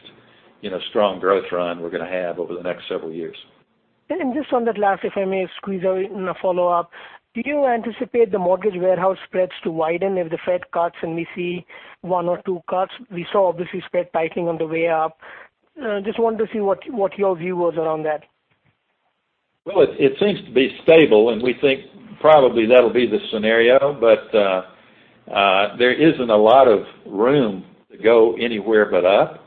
strong growth run we're going to have over the next several years. Just on that last, if I may squeeze in a follow-up. Do you anticipate the mortgage warehouse spreads to widen if the Fed cuts and we see one or two cuts? We saw, obviously, spread tightening on the way up. Just wanted to see what your view was around that. Well, it seems to be stable, and we think probably that'll be the scenario, there isn't a lot of room to go anywhere but up.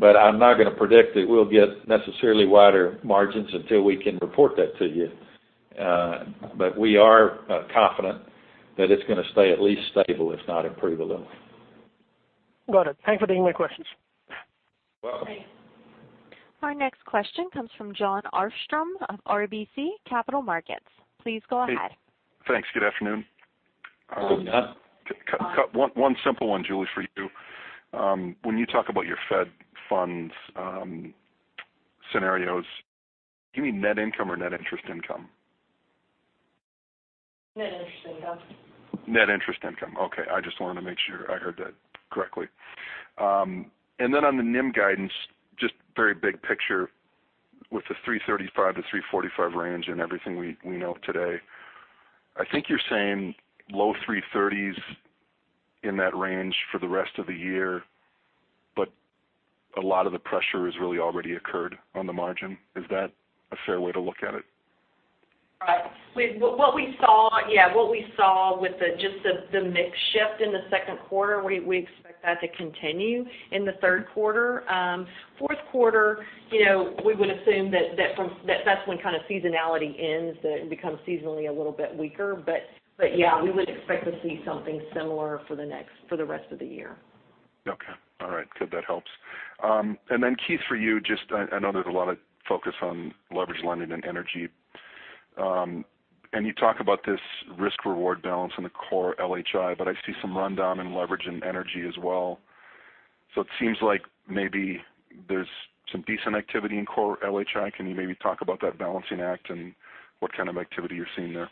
I'm not going to predict that we'll get necessarily wider margins until we can report that to you. We are confident that it's going to stay at least stable, if not improve a little. Got it. Thank you for taking my questions. You're welcome. Our next question comes from Jon Arfstrom of RBC Capital Markets. Please go ahead. Hey. Thanks. Good afternoon. Good afternoon. One simple one, Julie, for you. When you talk about your Fed funds scenarios, do you mean net income or net interest income? Net interest income. Net interest income. Okay. On the NIM guidance, just very big picture with the 335-345 range and everything we know today. I think you're saying low 330s in that range for the rest of the year, but a lot of the pressure has really already occurred on the margin. Is that a fair way to look at it? Right. What we saw with just the mix shift in the second quarter, we expect that to continue in the third quarter. Fourth quarter, we would assume that's when kind of seasonality ends, that it becomes seasonally a little bit weaker. Yeah, we would expect to see something similar for the rest of the year. Okay. All right. Good. That helps. Then Keith, for you, I know there's a lot of focus on leveraged lending and energy. You talk about this risk-reward balance in the core LHI, but I see some rundown in leverage in energy as well. It seems like maybe there's some decent activity in core LHI. Can you maybe talk about that balancing act and what kind of activity you're seeing there?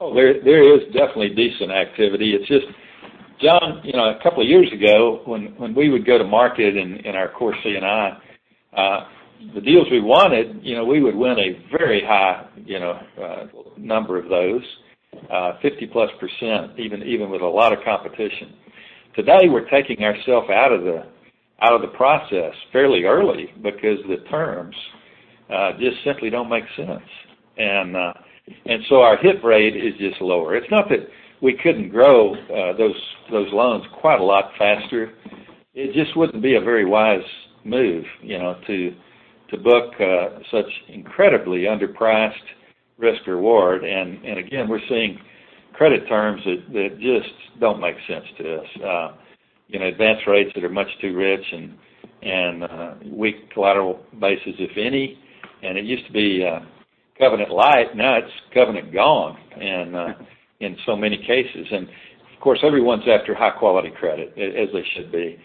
There is definitely decent activity. It's just, Jon, a couple of years ago, when we would go to market in our core C&I, the deals we wanted, we would win a very high number of those, 50+ percent even with a lot of competition. Today, we're taking ourself out of the process fairly early because the terms just simply don't make sense. Our hit rate is just lower. It's not that we couldn't grow those loans quite a lot faster. It just wouldn't be a very wise move to book such incredibly underpriced risk-reward. Again, we're seeing credit terms that just don't make sense to us. Advance rates that are much too rich and weak collateral bases, if any. It used to be covenant light, now it's covenant gone in so many cases. Of course, everyone's after high-quality credit, as they should be.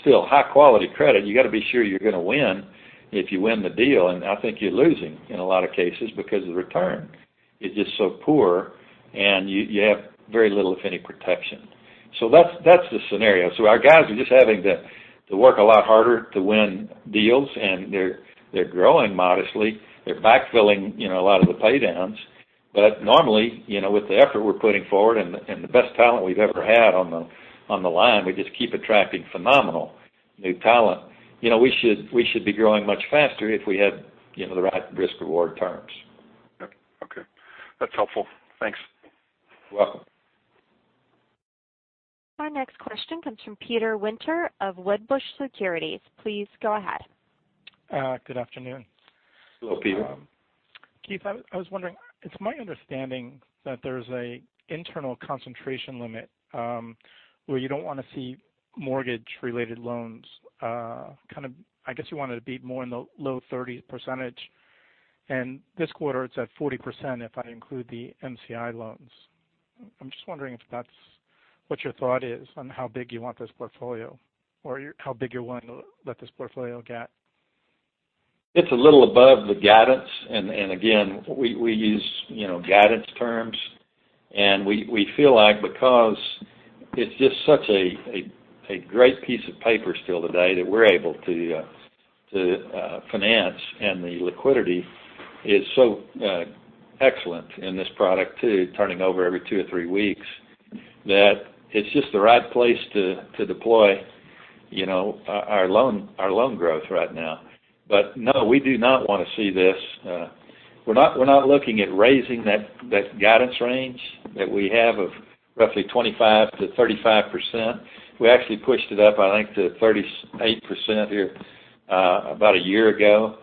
Still, high-quality credit, you got to be sure you're going to win if you win the deal. I think you're losing in a lot of cases because the return is just so poor, and you have very little, if any, protection. That's the scenario. Our guys are just having to work a lot harder to win deals, and they're growing modestly. They're backfilling a lot of the paydowns. Normally, with the effort we're putting forward and the best talent we've ever had on the line, we just keep attracting phenomenal new talent. We should be growing much faster if we had the right risk-reward terms. Okay. That's helpful. Thanks. You're welcome. Our next question comes from Peter Winter of Wedbush Securities. Please go ahead. Good afternoon. Hello, Peter. Keith, I was wondering, it's my understanding that there's an internal concentration limit, where you don't want to see mortgage-related loans. I guess you want it to be more in the low 30%. This quarter, it's at 40%, if I include the MCA loans. I'm just wondering if that's what your thought is on how big you want this portfolio, or how big you're willing to let this portfolio get. It's a little above the guidance. Again, we use guidance terms. We feel like because it's just such a great piece of paper still today that we're able to finance, and the liquidity is so excellent in this product, too, turning over every two or three weeks, that it's just the right place to deploy our loan growth right now. No, we do not want to see this. We're not looking at raising that guidance range that we have of roughly 25%-35%. We actually pushed it up, I think, to 38% here about a year ago.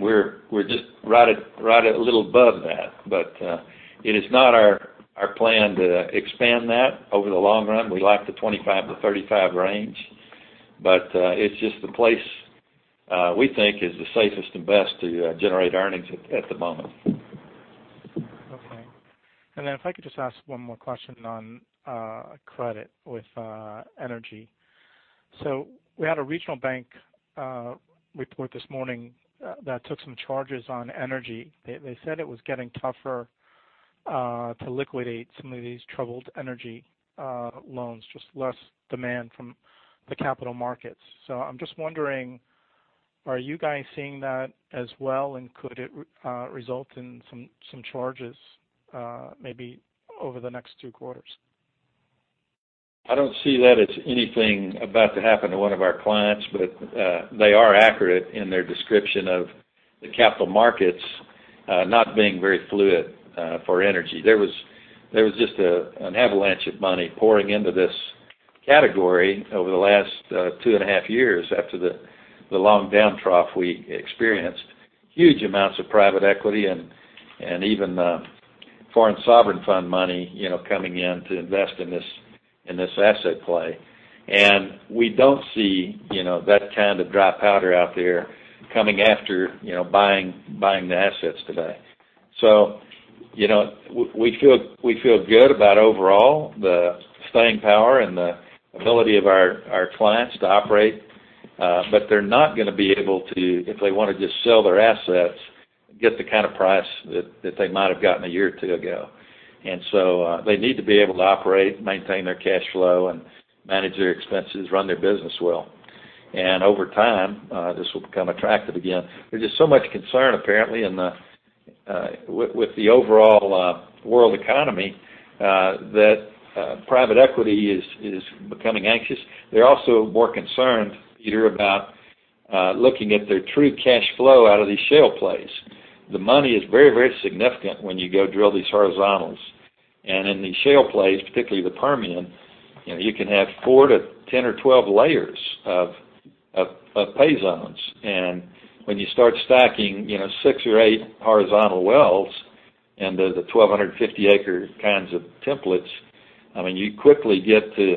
We're just right at a little above that. It is not our plan to expand that over the long run. We like the 25%-35% range. It's just the place we think is the safest and best to generate earnings at the moment. Okay. If I could just ask one more question on credit with energy. We had a regional bank report this morning that took some charges on energy. They said it was getting tougher to liquidate some of these troubled energy loans, just less demand from the capital markets. I'm just wondering, are you guys seeing that as well, and could it result in some charges maybe over the next two quarters? I don't see that as anything about to happen to one of our clients, but they are accurate in their description of the capital markets not being very fluid for energy. There was just an avalanche of money pouring into this category over the last two and a half years after the long down trough we experienced. Huge amounts of private equity and even foreign sovereign fund money coming in to invest in this asset play. We don't see that kind of dry powder out there coming after buying the assets today. We feel good about overall the staying power and the ability of our clients to operate. They're not going to be able to, if they want to just sell their assets, get the kind of price that they might have gotten a year or two ago. They need to be able to operate, maintain their cash flow, and manage their expenses, run their business well. Over time, this will become attractive again. There's just so much concern, apparently, with the overall world economy, that private equity is becoming anxious. They're also more concerned, Peter, about looking at their true cash flow out of these shale plays. The money is very, very significant when you go drill these horizontals. In these shale plays, particularly the Permian, you can have four to 10 or 12 layers of pay zones. When you start stacking six or eight horizontal wells into the 1,250 acre kinds of templates, you quickly get to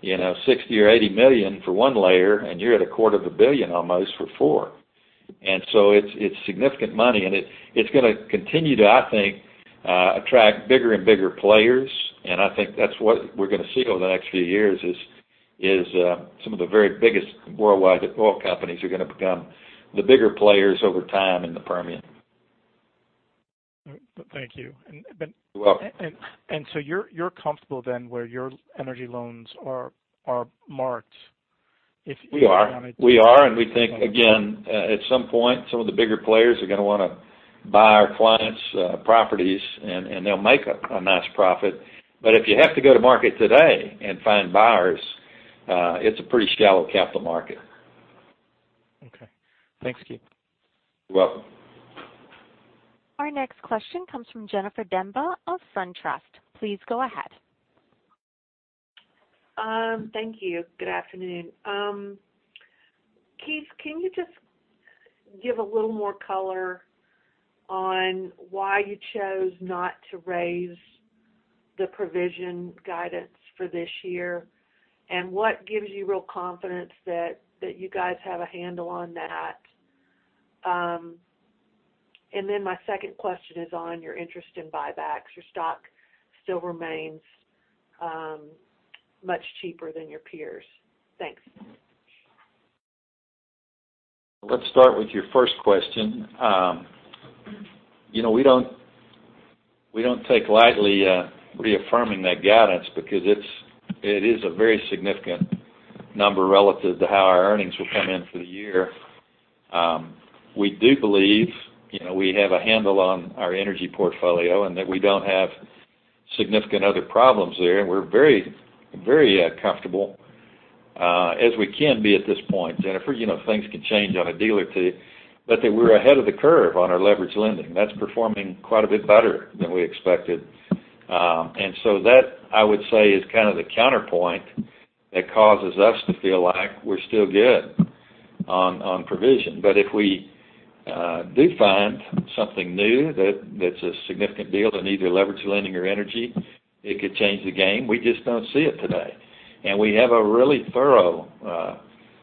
$60 million or $80 million for one layer, and you're at a quarter of a billion almost for four. It's significant money, and it's going to continue to, I think, attract bigger and bigger players. I think that's what we're going to see over the next few years, is some of the very biggest worldwide oil companies are going to become the bigger players over time in the Permian. Thank you. You're welcome. You're comfortable then where your energy loans are marked, if you wanted to? We are. We are, and we think, again, at some point, some of the bigger players are going to want to buy our clients' properties, and they'll make a nice profit. If you have to go to market today and find buyers, it's a pretty shallow capital market. Okay. Thanks, Keith. You're welcome. Our next question comes from Jennifer Demba of SunTrust. Please go ahead. Thank you. Good afternoon. Keith, can you just give a little more color on why you chose not to raise the provision guidance for this year? What gives you real confidence that you guys have a handle on that? My second question is on your interest in buybacks. Your stock still remains much cheaper than your peers. Thanks. Let's start with your first question. We don't take lightly reaffirming that guidance because it is a very significant number relative to how our earnings will come in for the year. We do believe we have a handle on our energy portfolio, and that we don't have significant other problems there. We're very comfortable as we can be at this point, Jennifer. Things can change on a dime, that we're ahead of the curve on our leverage lending. That's performing quite a bit better than we expected. So that, I would say, is kind of the counterpoint that causes us to feel like we're still good on provision. If we do find something new that's a significant deal in either leverage lending or energy, it could change the game. We just don't see it today. We have a really thorough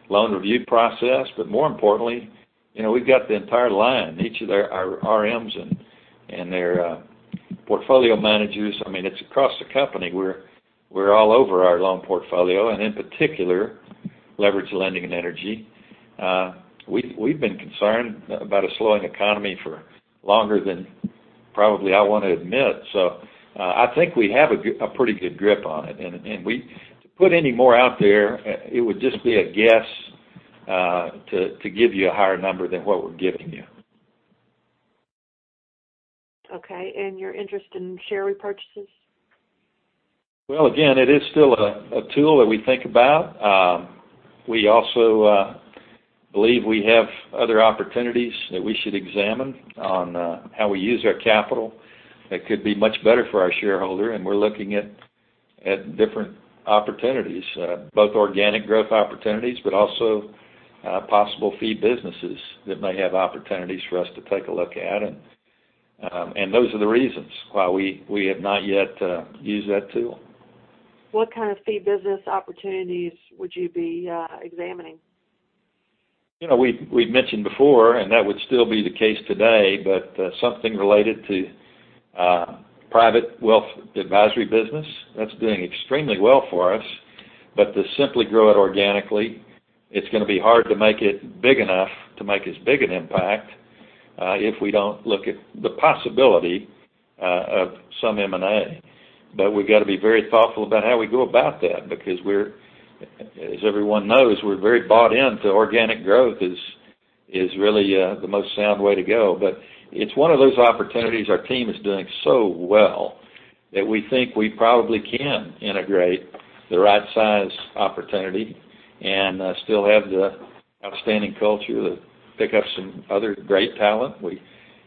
loan review process, but more importantly, we've got the entire line, each of our RMs and their portfolio managers. It's across the company. We're all over our loan portfolio, and in particular, leverage lending and energy. We've been concerned about a slowing economy for longer than probably I want to admit. I think we have a pretty good grip on it, and to put any more out there, it would just be a guess to give you a higher number than what we're giving you. Okay, your interest in share repurchases? Well, again, it is still a tool that we think about. We also believe we have other opportunities that we should examine on how we use our capital that could be much better for our shareholder, we're looking at different opportunities, both organic growth opportunities, but also possible fee businesses that may have opportunities for us to take a look at. Those are the reasons why we have not yet used that tool. What kind of fee business opportunities would you be examining? We've mentioned before, and that would still be the case today, but something related to private wealth advisory business. That's doing extremely well for us. To simply grow it organically, it's going to be hard to make it big enough to make as big an impact if we don't look at the possibility of some M&A. We've got to be very thoughtful about how we go about that, because as everyone knows, we're very bought into organic growth as really the most sound way to go. It's one of those opportunities our team is doing so well that we think we probably can integrate the right size opportunity and still have the outstanding culture to pick up some other great talent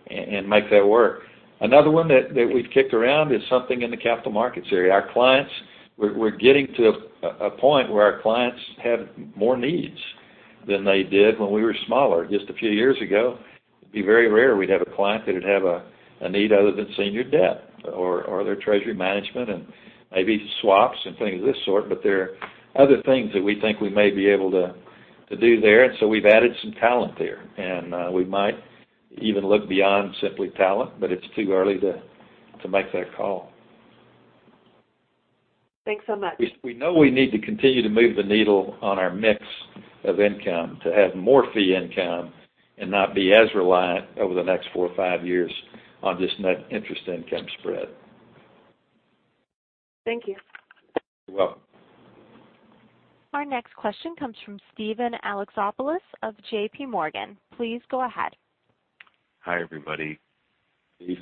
and make that work. Another one that we've kicked around is something in the capital markets area. We're getting to a point where our clients have more needs than they did when we were smaller. Just a few years ago, it'd be very rare we'd have a client that would have a need other than senior debt or their treasury management and maybe swaps and things of this sort. There are other things that we think we may be able to do there, and so we've added some talent there. We might even look beyond simply talent, but it's too early to make that call. Thanks so much. We know we need to continue to move the needle on our mix of income to have more fee income and not be as reliant over the next four or five years on just net interest income spread. Thank you. You're welcome. Our next question comes from Steven Alexopoulos of JP. Morgan. Please go ahead. Hi, everybody. Steve.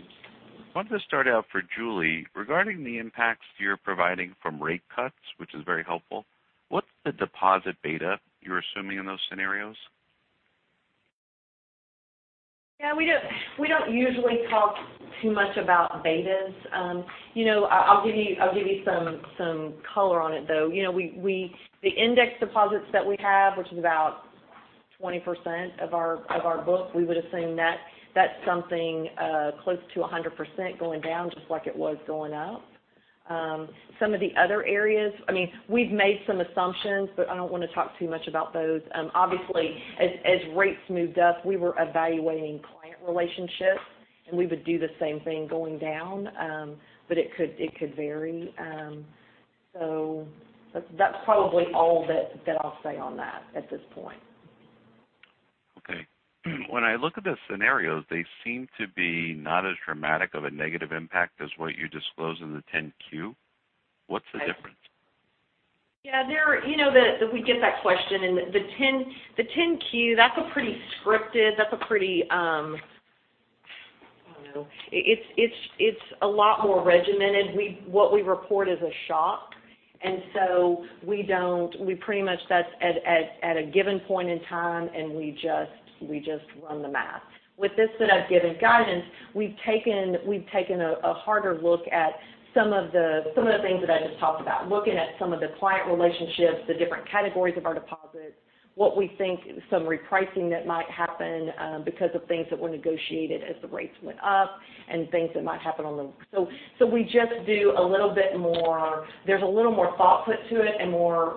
I wanted to start out for Julie. Regarding the impacts you're providing from rate cuts, which is very helpful, what's the deposit beta you're assuming in those scenarios? Yeah, we don't usually talk too much about betas. I'll give you some color on it, though. The index deposits that we have, which is about 20% of our book, we would assume that that's something close to 100% going down just like it was going up. Some of the other areas, we've made some assumptions, but I don't want to talk too much about those. Obviously, as rates moved up, we were evaluating client relationships, and we would do the same thing going down, but it could vary. That's probably all that I'll say on that at this point. Okay. When I look at the scenarios, they seem to be not as dramatic of a negative impact as what you disclose in the 10-Q. What's the difference? Yeah. We get that question. The 10-Q, that's pretty scripted. It's a lot more regimented. What we report is a shock. We pretty much, that's at a given point in time, and we just run the math. With this set of given guidance, we've taken a harder look at some of the things that I just talked about, looking at some of the client relationships, the different categories of our deposits, what we think some repricing that might happen because of things that were negotiated as the rates went up. We just do a little bit more. There's a little more thought put to it and more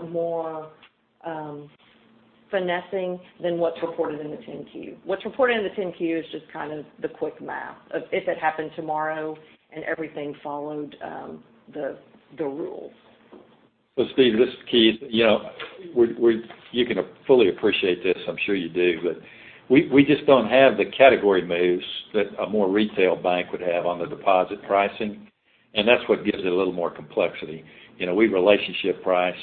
finessing than what's reported in the 10-Q. What's reported in the 10-Q is just kind of the quick math of if it happened tomorrow and everything followed the rules. Steve, this is Keith. You can fully appreciate this, I'm sure you do, we just don't have the category moves that a more retail bank would have on the deposit pricing, and that's what gives it a little more complexity. We relationship price,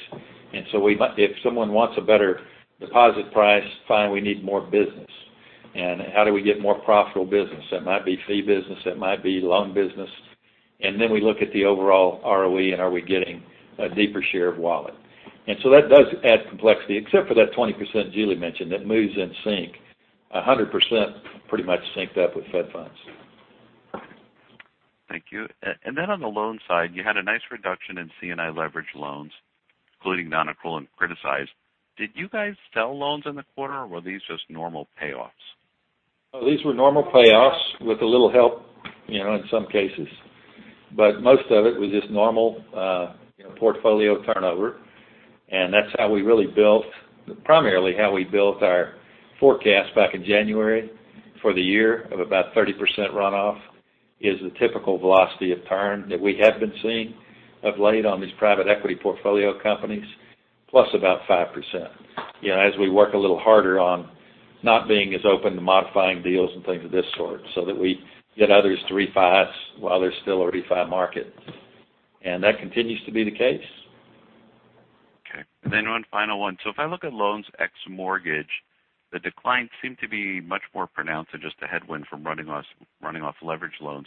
if someone wants a better deposit price, fine, we need more business. How do we get more profitable business? That might be fee business, that might be loan business. Then we look at the overall ROE, are we getting a deeper share of wallet? That does add complexity, except for that 20% Julie mentioned, that moves in sync. 100% pretty much synced up with Fed funds. Thank you. Then on the loan side, you had a nice reduction in C&I leveraged loans, including non-accrual and criticized. Did you guys sell loans in the quarter, or were these just normal payoffs? These were normal payoffs with a little help, in some cases. Most of it was just normal portfolio turnover. That's how we really built, primarily how we built our forecast back in January for the year of about 30% runoff, is the typical velocity of turn that we have been seeing of late on these private equity portfolio companies, plus about 5%. As we work a little harder on not being as open to modifying deals and things of this sort so that we get others to refis while there's still a refi market. That continues to be the case. Okay. Then one final one. If I look at loans ex-mortgage, the declines seem to be much more pronounced than just a headwind from running off leverage loans.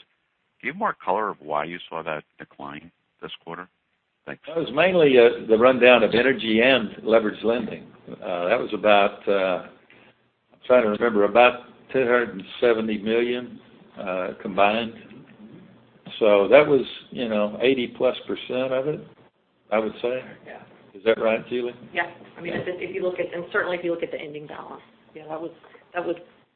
Do you have more color of why you saw that decline this quarter? Thanks. That was mainly the rundown of energy and leveraged lending. That was about, trying to remember, about $270 million combined. That was 80+ percent of it, I would say. Yeah. Is that right, Julie? Yes. If you look at, and certainly if you look at the ending balance. Yeah, that was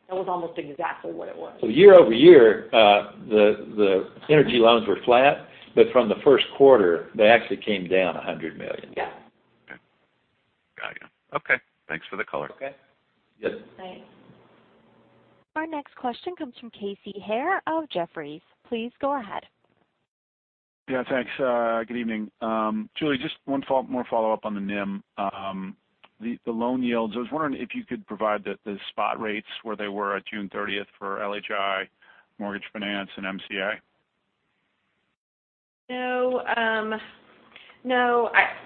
almost exactly what it was. Year-over-year, the energy loans were flat, but from the first quarter, they actually came down $100 million. Yeah. Okay. Got you. Okay, thanks for the color. Okay. Thanks. Our next question comes from Casey Haire of Jefferies. Please go ahead. Yeah, thanks. Good evening. Julie, just one more follow-up on the NIM. The loan yields, I was wondering if you could provide the spot rates, where they were at June 30th for LHI, Mortgage Finance and MCA. No.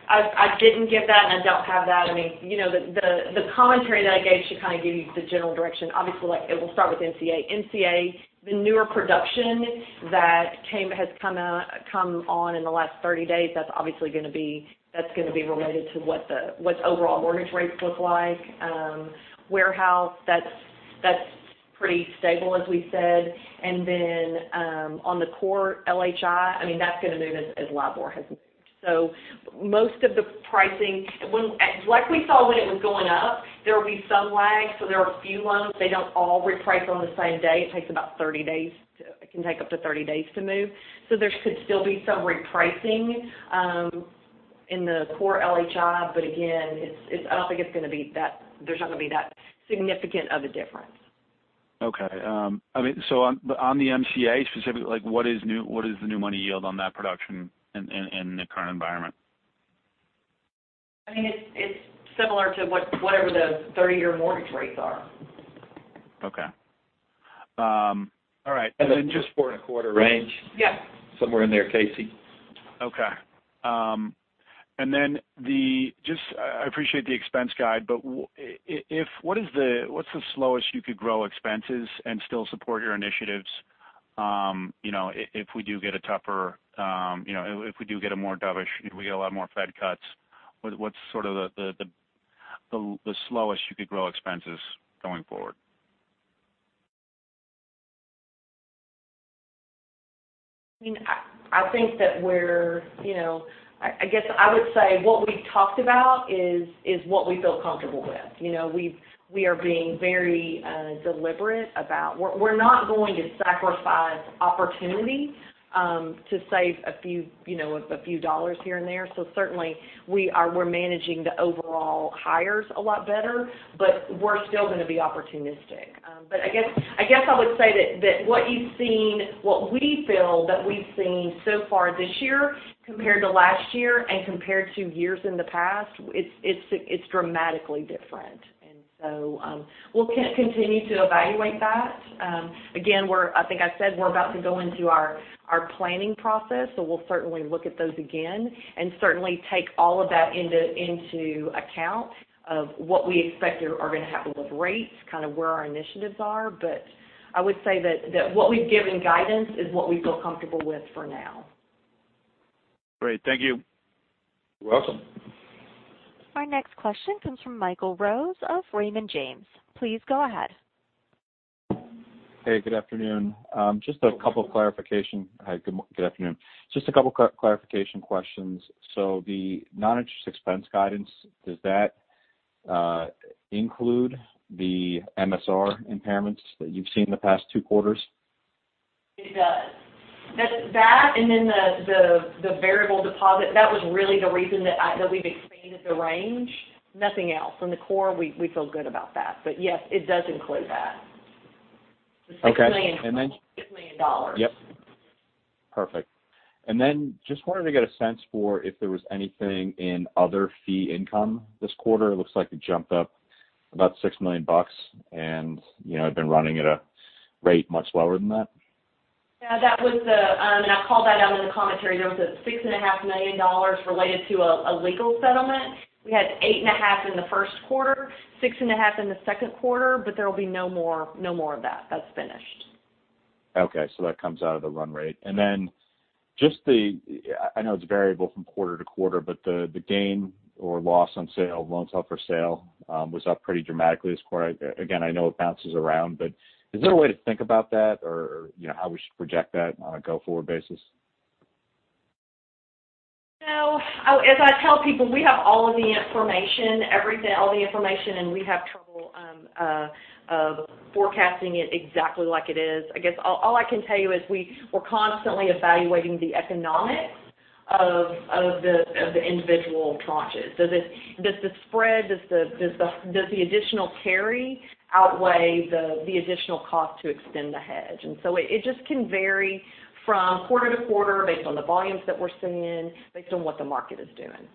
I didn't get that, and I don't have that. The commentary that I gave should kind of give you the general direction. Obviously, it will start with MCA. MCA, the newer production that has come on in the last 30 days, that's obviously going to be related to what the overall mortgage rates look like. Warehouse, that's pretty stable, as we said. On the core LHI, that's going to move as LIBOR has moved. Most of the pricing, like we saw when it was going up, there will be some lag. There are a few loans. They don't all reprice on the same day. It can take up to 30 days to move. There could still be some repricing in the core LHI, but again, there's not going to be that significant of a difference. Okay. On the MCA specifically, what is the new money yield on that production in the current environment? I mean, it's similar to whatever the 30-year mortgage rates are. Okay. All right. just four and a quarter range. Yes. Somewhere in there, Casey. I appreciate the expense guide, what's the slowest you could grow expenses and still support your initiatives? If we do get a more dovish, if we get a lot more Fed cuts, what's sort of the slowest you could grow expenses going forward? I guess I would say what we've talked about is what we feel comfortable with. We are being very deliberate about we're not going to sacrifice opportunity to save a few dollars here and there. Certainly, we're managing the overall hires a lot better, we're still going to be opportunistic. I guess I would say that what we feel that we've seen so far this year compared to last year and compared to years in the past, it's dramatically different. We'll continue to evaluate that. Again, I think I said we're about to go into our planning process, we'll certainly look at those again, and certainly take all of that into account of what we expect are going to happen with rates, kind of where our initiatives are. I would say that what we've given guidance is what we feel comfortable with for now. Great. Thank you. You're welcome. Our next question comes from Michael Rose of Raymond James. Please go ahead. Hey, good afternoon. Good afternoon. Just a couple clarification questions. The non-interest expense guidance, does that include the MSR impairments that you've seen in the past two quarters? It does. That and then the variable deposit, that was really the reason that we've expanded the range. Nothing else. In the core, we feel good about that. Yes, it does include that. Okay. The $6 million. Yep. Perfect. Then just wanted to get a sense for if there was anything in other fee income this quarter. It looks like it jumped up about $6 million, and had been running at a rate much lower than that. Yeah. I called that out in the commentary. There was a $6.5 million related to a legal settlement. We had $8.5 in the first quarter, $6.5 in the second quarter, there'll be no more of that. That's finished. Okay, that comes out of the run rate. Just the, I know it's variable from quarter to quarter, the gain or loss on sale, loans held for sale, was up pretty dramatically this quarter. Again, I know it bounces around, is there a way to think about that or how we should project that on a go-forward basis? No. As I tell people, we have all of the information, everything, all the information, we have trouble forecasting it exactly like it is. I guess all I can tell you is we're constantly evaluating the economics of the individual tranches. Does the spread, does the additional carry outweigh the additional cost to extend the hedge? It just can vary from quarter to quarter based on the volumes that we're seeing, based on what the market is doing.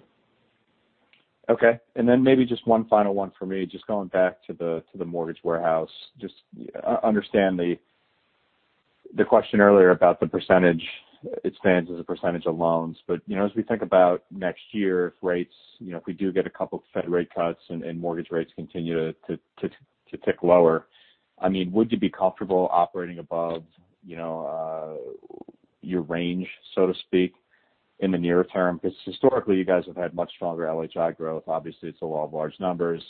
Okay. Maybe just one final one for me, just going back to the mortgage warehouse. Just understand the question earlier about the percentage, it stands as a percentage of loans. As we think about next year, if we do get a couple of Fed rate cuts and mortgage rates continue to tick lower, would you be comfortable operating above your range, so to speak, in the near term? Because historically, you guys have had much stronger LHI growth. Obviously, it's a lot of large numbers.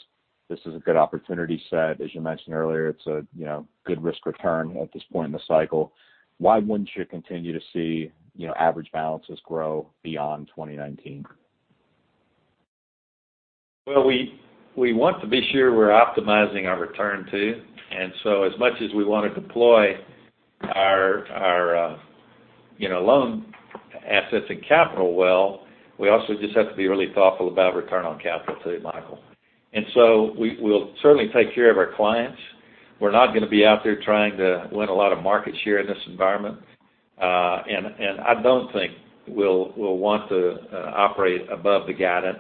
This is a good opportunity set. As you mentioned earlier, it's a good risk return at this point in the cycle. Why wouldn't you continue to see average balances grow beyond 2019? Well, we want to be sure we're optimizing our return, too. As much as we want to deploy our loan assets and capital well, we also just have to be really thoughtful about return on capital too, Michael. We'll certainly take care of our clients. We're not going to be out there trying to win a lot of market share in this environment. I don't think we'll want to operate above the guidance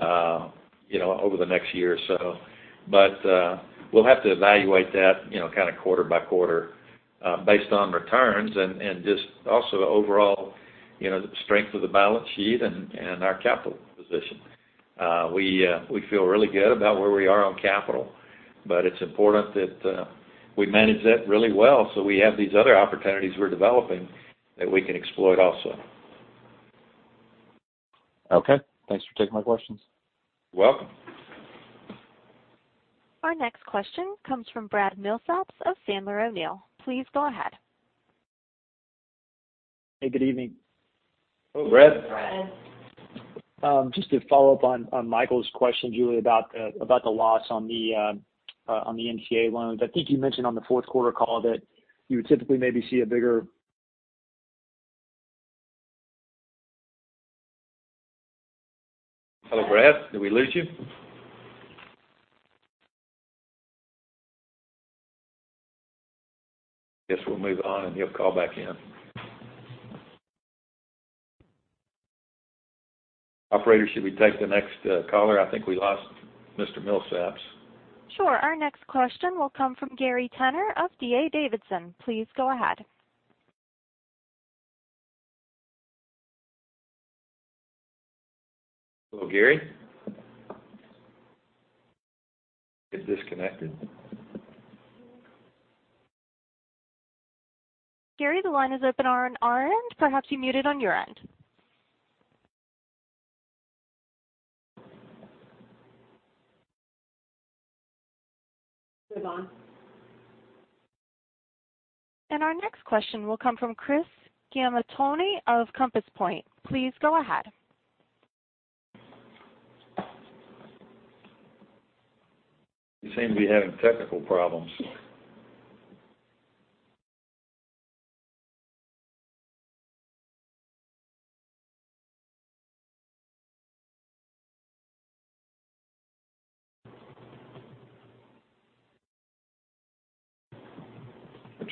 over the next year or so. We'll have to evaluate that kind of quarter-by-quarter based on returns and just also the overall strength of the balance sheet and our capital position. We feel really good about where we are on capital, it's important that we manage that really well so we have these other opportunities we're developing that we can exploit also. Okay. Thanks for taking my questions. You're welcome. Our next question comes from Brad Milsaps of Sandler O'Neill. Please go ahead. Hey, good evening. Hello, Brad. Brad. Just to follow up on Michael's question, Julie, about the loss on the NCA loans. I think you mentioned on the fourth quarter call that you would typically maybe see a bigger. Hello, Brad. Did we lose you? Guess we'll move on, and he'll call back in. Operator, should we take the next caller? I think we lost Mr. Milsaps. Sure. Our next question will come from Gary Tenner of D.A. Davidson. Please go ahead. Hello, Gary? He's disconnected. Gary, the line is open on our end. Perhaps you muted on your end. Move on. Our next question will come from Christopher Gamaitoni of Compass Point. Please go ahead. He seems to be having technical problems.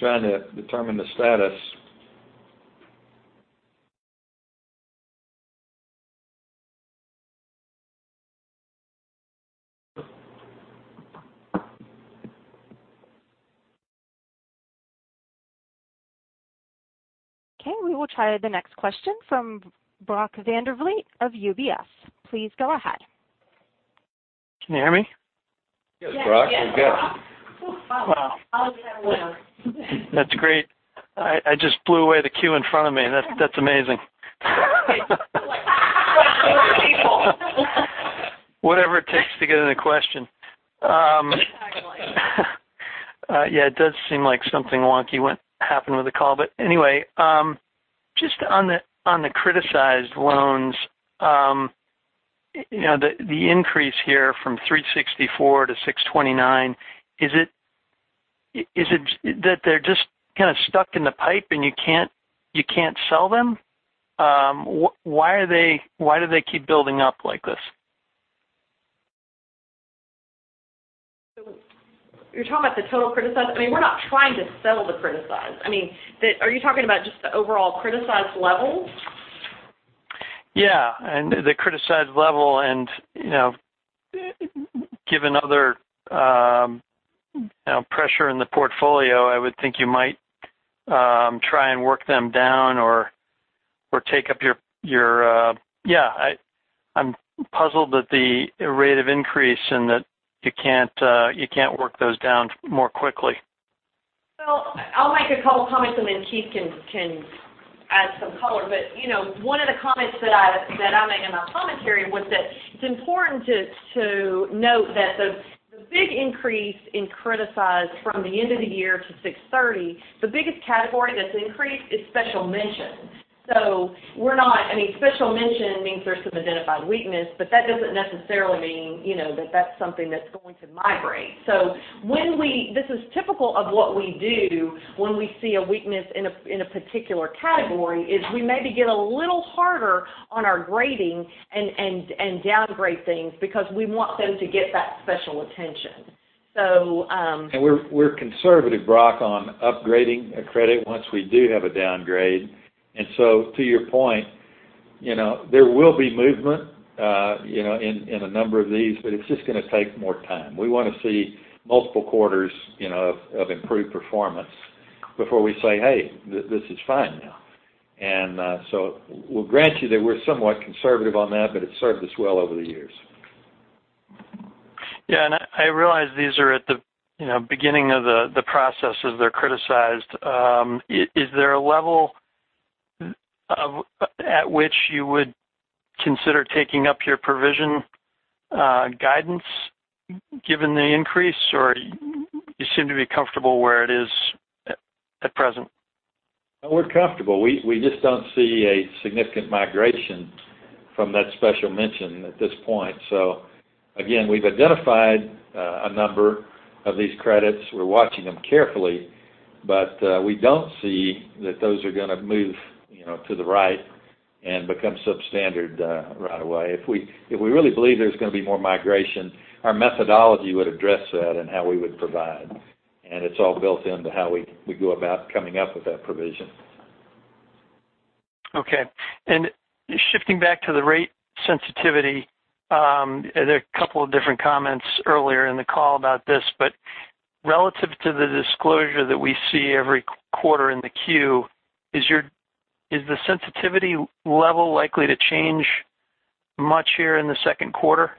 We're trying to determine the status. Okay, we will try the next question from Brock Vandervliet of UBS. Please go ahead. Can you hear me? Yes, Brock. You're good. Yes. Brock. Wow. I was going to wear. That's great. I just blew away the queue in front of me. That's amazing. Whatever it takes to get in a question. Exactly. Yeah, it does seem like something wonky happened with the call. Anyway, just on the criticized loans, the increase here from $364 to $629, is it that they're just kind of stuck in the pipe, and you can't sell them? Why do they keep building up like this? You're talking about the total criticized? We're not trying to sell the criticized. Are you talking about just the overall criticized level? Yeah. The criticized level and given other pressure in the portfolio, I would think you might try and work them down or take up. Yeah, I'm puzzled at the rate of increase in that you can't work those down more quickly. I'll make a couple comments, and then Keith can add some color. One of the comments that I made in my commentary was that it's important to note that the big increase in criticized from the end of the year to 630, the biggest category that's increased is special mention. Special mention means there's some identified weakness, but that doesn't necessarily mean that that's something that's going to migrate. This is typical of what we do when we see a weakness in a particular category, is we maybe get a little harder on our grading and downgrade things because we want them to get that special attention. We're conservative, Brock, on upgrading a credit once we do have a downgrade. To your point, there will be movement in a number of these, but it's just going to take more time. We want to see multiple quarters of improved performance before we say, "Hey, this is fine now." We'll grant you that we're somewhat conservative on that, but it's served us well over the years. Yeah. I realize these are at the beginning of the process as they're criticized. Is there a level at which you would consider taking up your provision guidance given the increase, or you seem to be comfortable where it is at present? We're comfortable. We just don't see a significant migration from that special mention at this point. Again, we've identified a number of these credits. We're watching them carefully, but we don't see that those are going to move to the right and become substandard right away. If we really believe there's going to be more migration, our methodology would address that and how we would provide, and it's all built into how we go about coming up with that provision. Okay. Shifting back to the rate sensitivity, there were a couple of different comments earlier in the call about this, but relative to the disclosure that we see every quarter in the 10-Q, is the sensitivity level likely to change much here in the second quarter?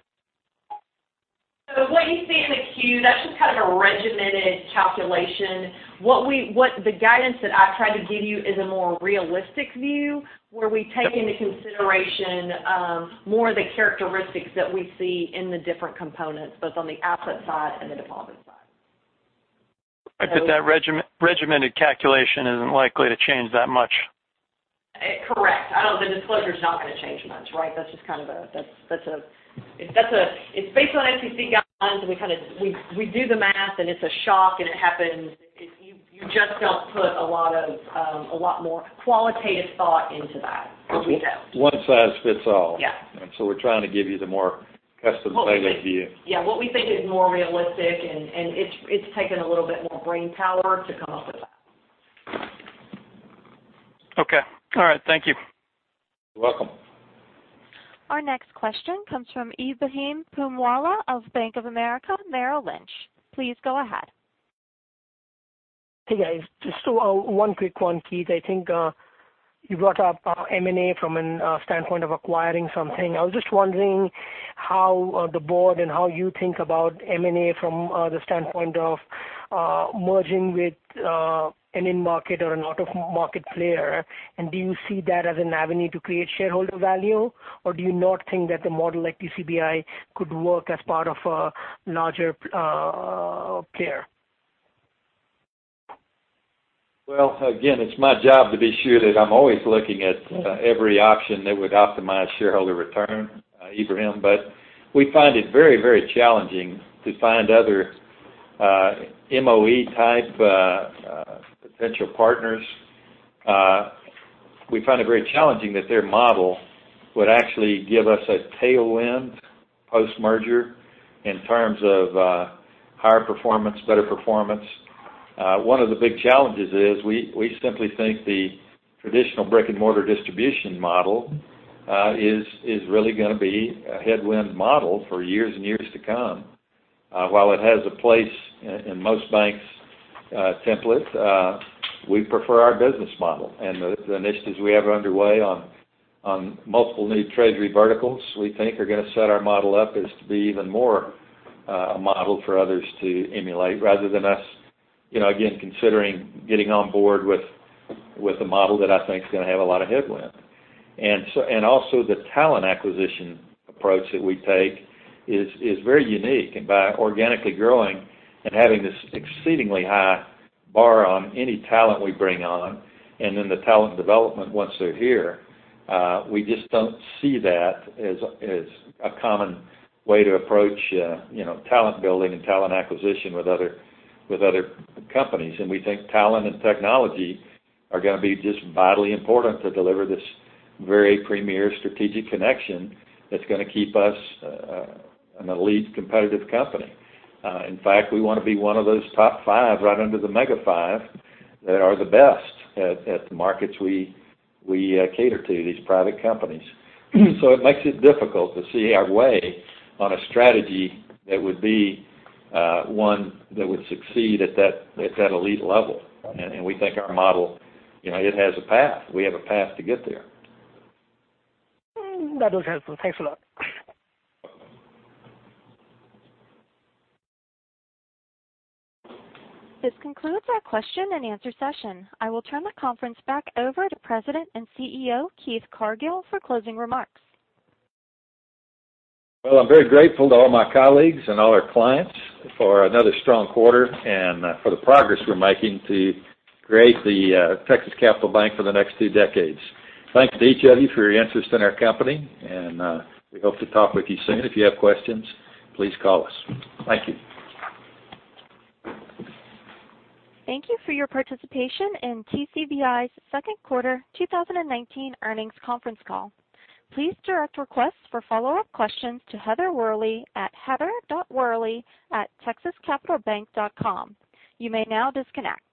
What you see in the 10-Q, that's just kind of a regimented calculation. The guidance that I try to give you is a more realistic view, where we take into consideration more of the characteristics that we see in the different components, both on the asset side and the deposit side. That regimented calculation isn't likely to change that much. Correct. The disclosure's not going to change much, right? It's based on FFIEC guidelines, and we do the math, and it's a shock, and it happens. You just don't put a lot more qualitative thought into that, or we don't. One size fits all. Yeah. We're trying to give you the more custom tailored view. Yeah, what we think is more realistic, and it's taken a little bit more brainpower to come up with that. Okay. All right. Thank you. You're welcome. Our next question comes from Ebrahim Poonawala of Bank of America Merrill Lynch. Please go ahead. Hey, guys. Just one quick one, Keith. I think you brought up M&A from a standpoint of acquiring something. I was just wondering how the board and how you think about M&A from the standpoint of merging with an in-market or an out-of-market player, and do you see that as an avenue to create shareholder value, or do you not think that the model like TCBI could work as part of a larger peer? Well, again, it's my job to be sure that I'm always looking at every option that would optimize shareholder return, Ebrahim. We find it very challenging to find other MOE-type potential partners. We find it very challenging that their model would actually give us a tailwind post-merger in terms of higher performance, better performance. One of the big challenges is we simply think the traditional brick-and-mortar distribution model is really going to be a headwind model for years and years to come. While it has a place in most banks' templates, we prefer our business model. The initiatives we have underway on multiple new treasury verticals we think are going to set our model up as to be even more a model for others to emulate rather than us, again, considering getting on board with a model that I think is going to have a lot of headwind. Also, the talent acquisition approach that we take is very unique, and by organically growing and having this exceedingly high bar on any talent we bring on, and then the talent development once they're here, we just don't see that as a common way to approach talent building and talent acquisition with other companies. We think talent and technology are going to be just vitally important to deliver this very premier strategic connection that's going to keep us an elite competitive company. In fact, we want to be one of those top five, right under the mega five, that are the best at the markets we cater to, these private companies. It makes it difficult to see our way on a strategy that would be one that would succeed at that elite level. We think our model, it has a path. We have a path to get there. That was helpful. Thanks a lot. This concludes our question and answer session. I will turn the conference back over to President and CEO, Keith Cargill, for closing remarks. Well, I'm very grateful to all my colleagues and all our clients for another strong quarter and for the progress we're making to create the Texas Capital Bank for the next two decades. Thanks to each of you for your interest in our company. We hope to talk with you soon. If you have questions, please call us. Thank you. Thank you for your participation in TCBI's second quarter 2019 earnings conference call. Please direct requests for follow-up questions to Heather Worley at heather.worley@texascapitalbank.com. You may now disconnect.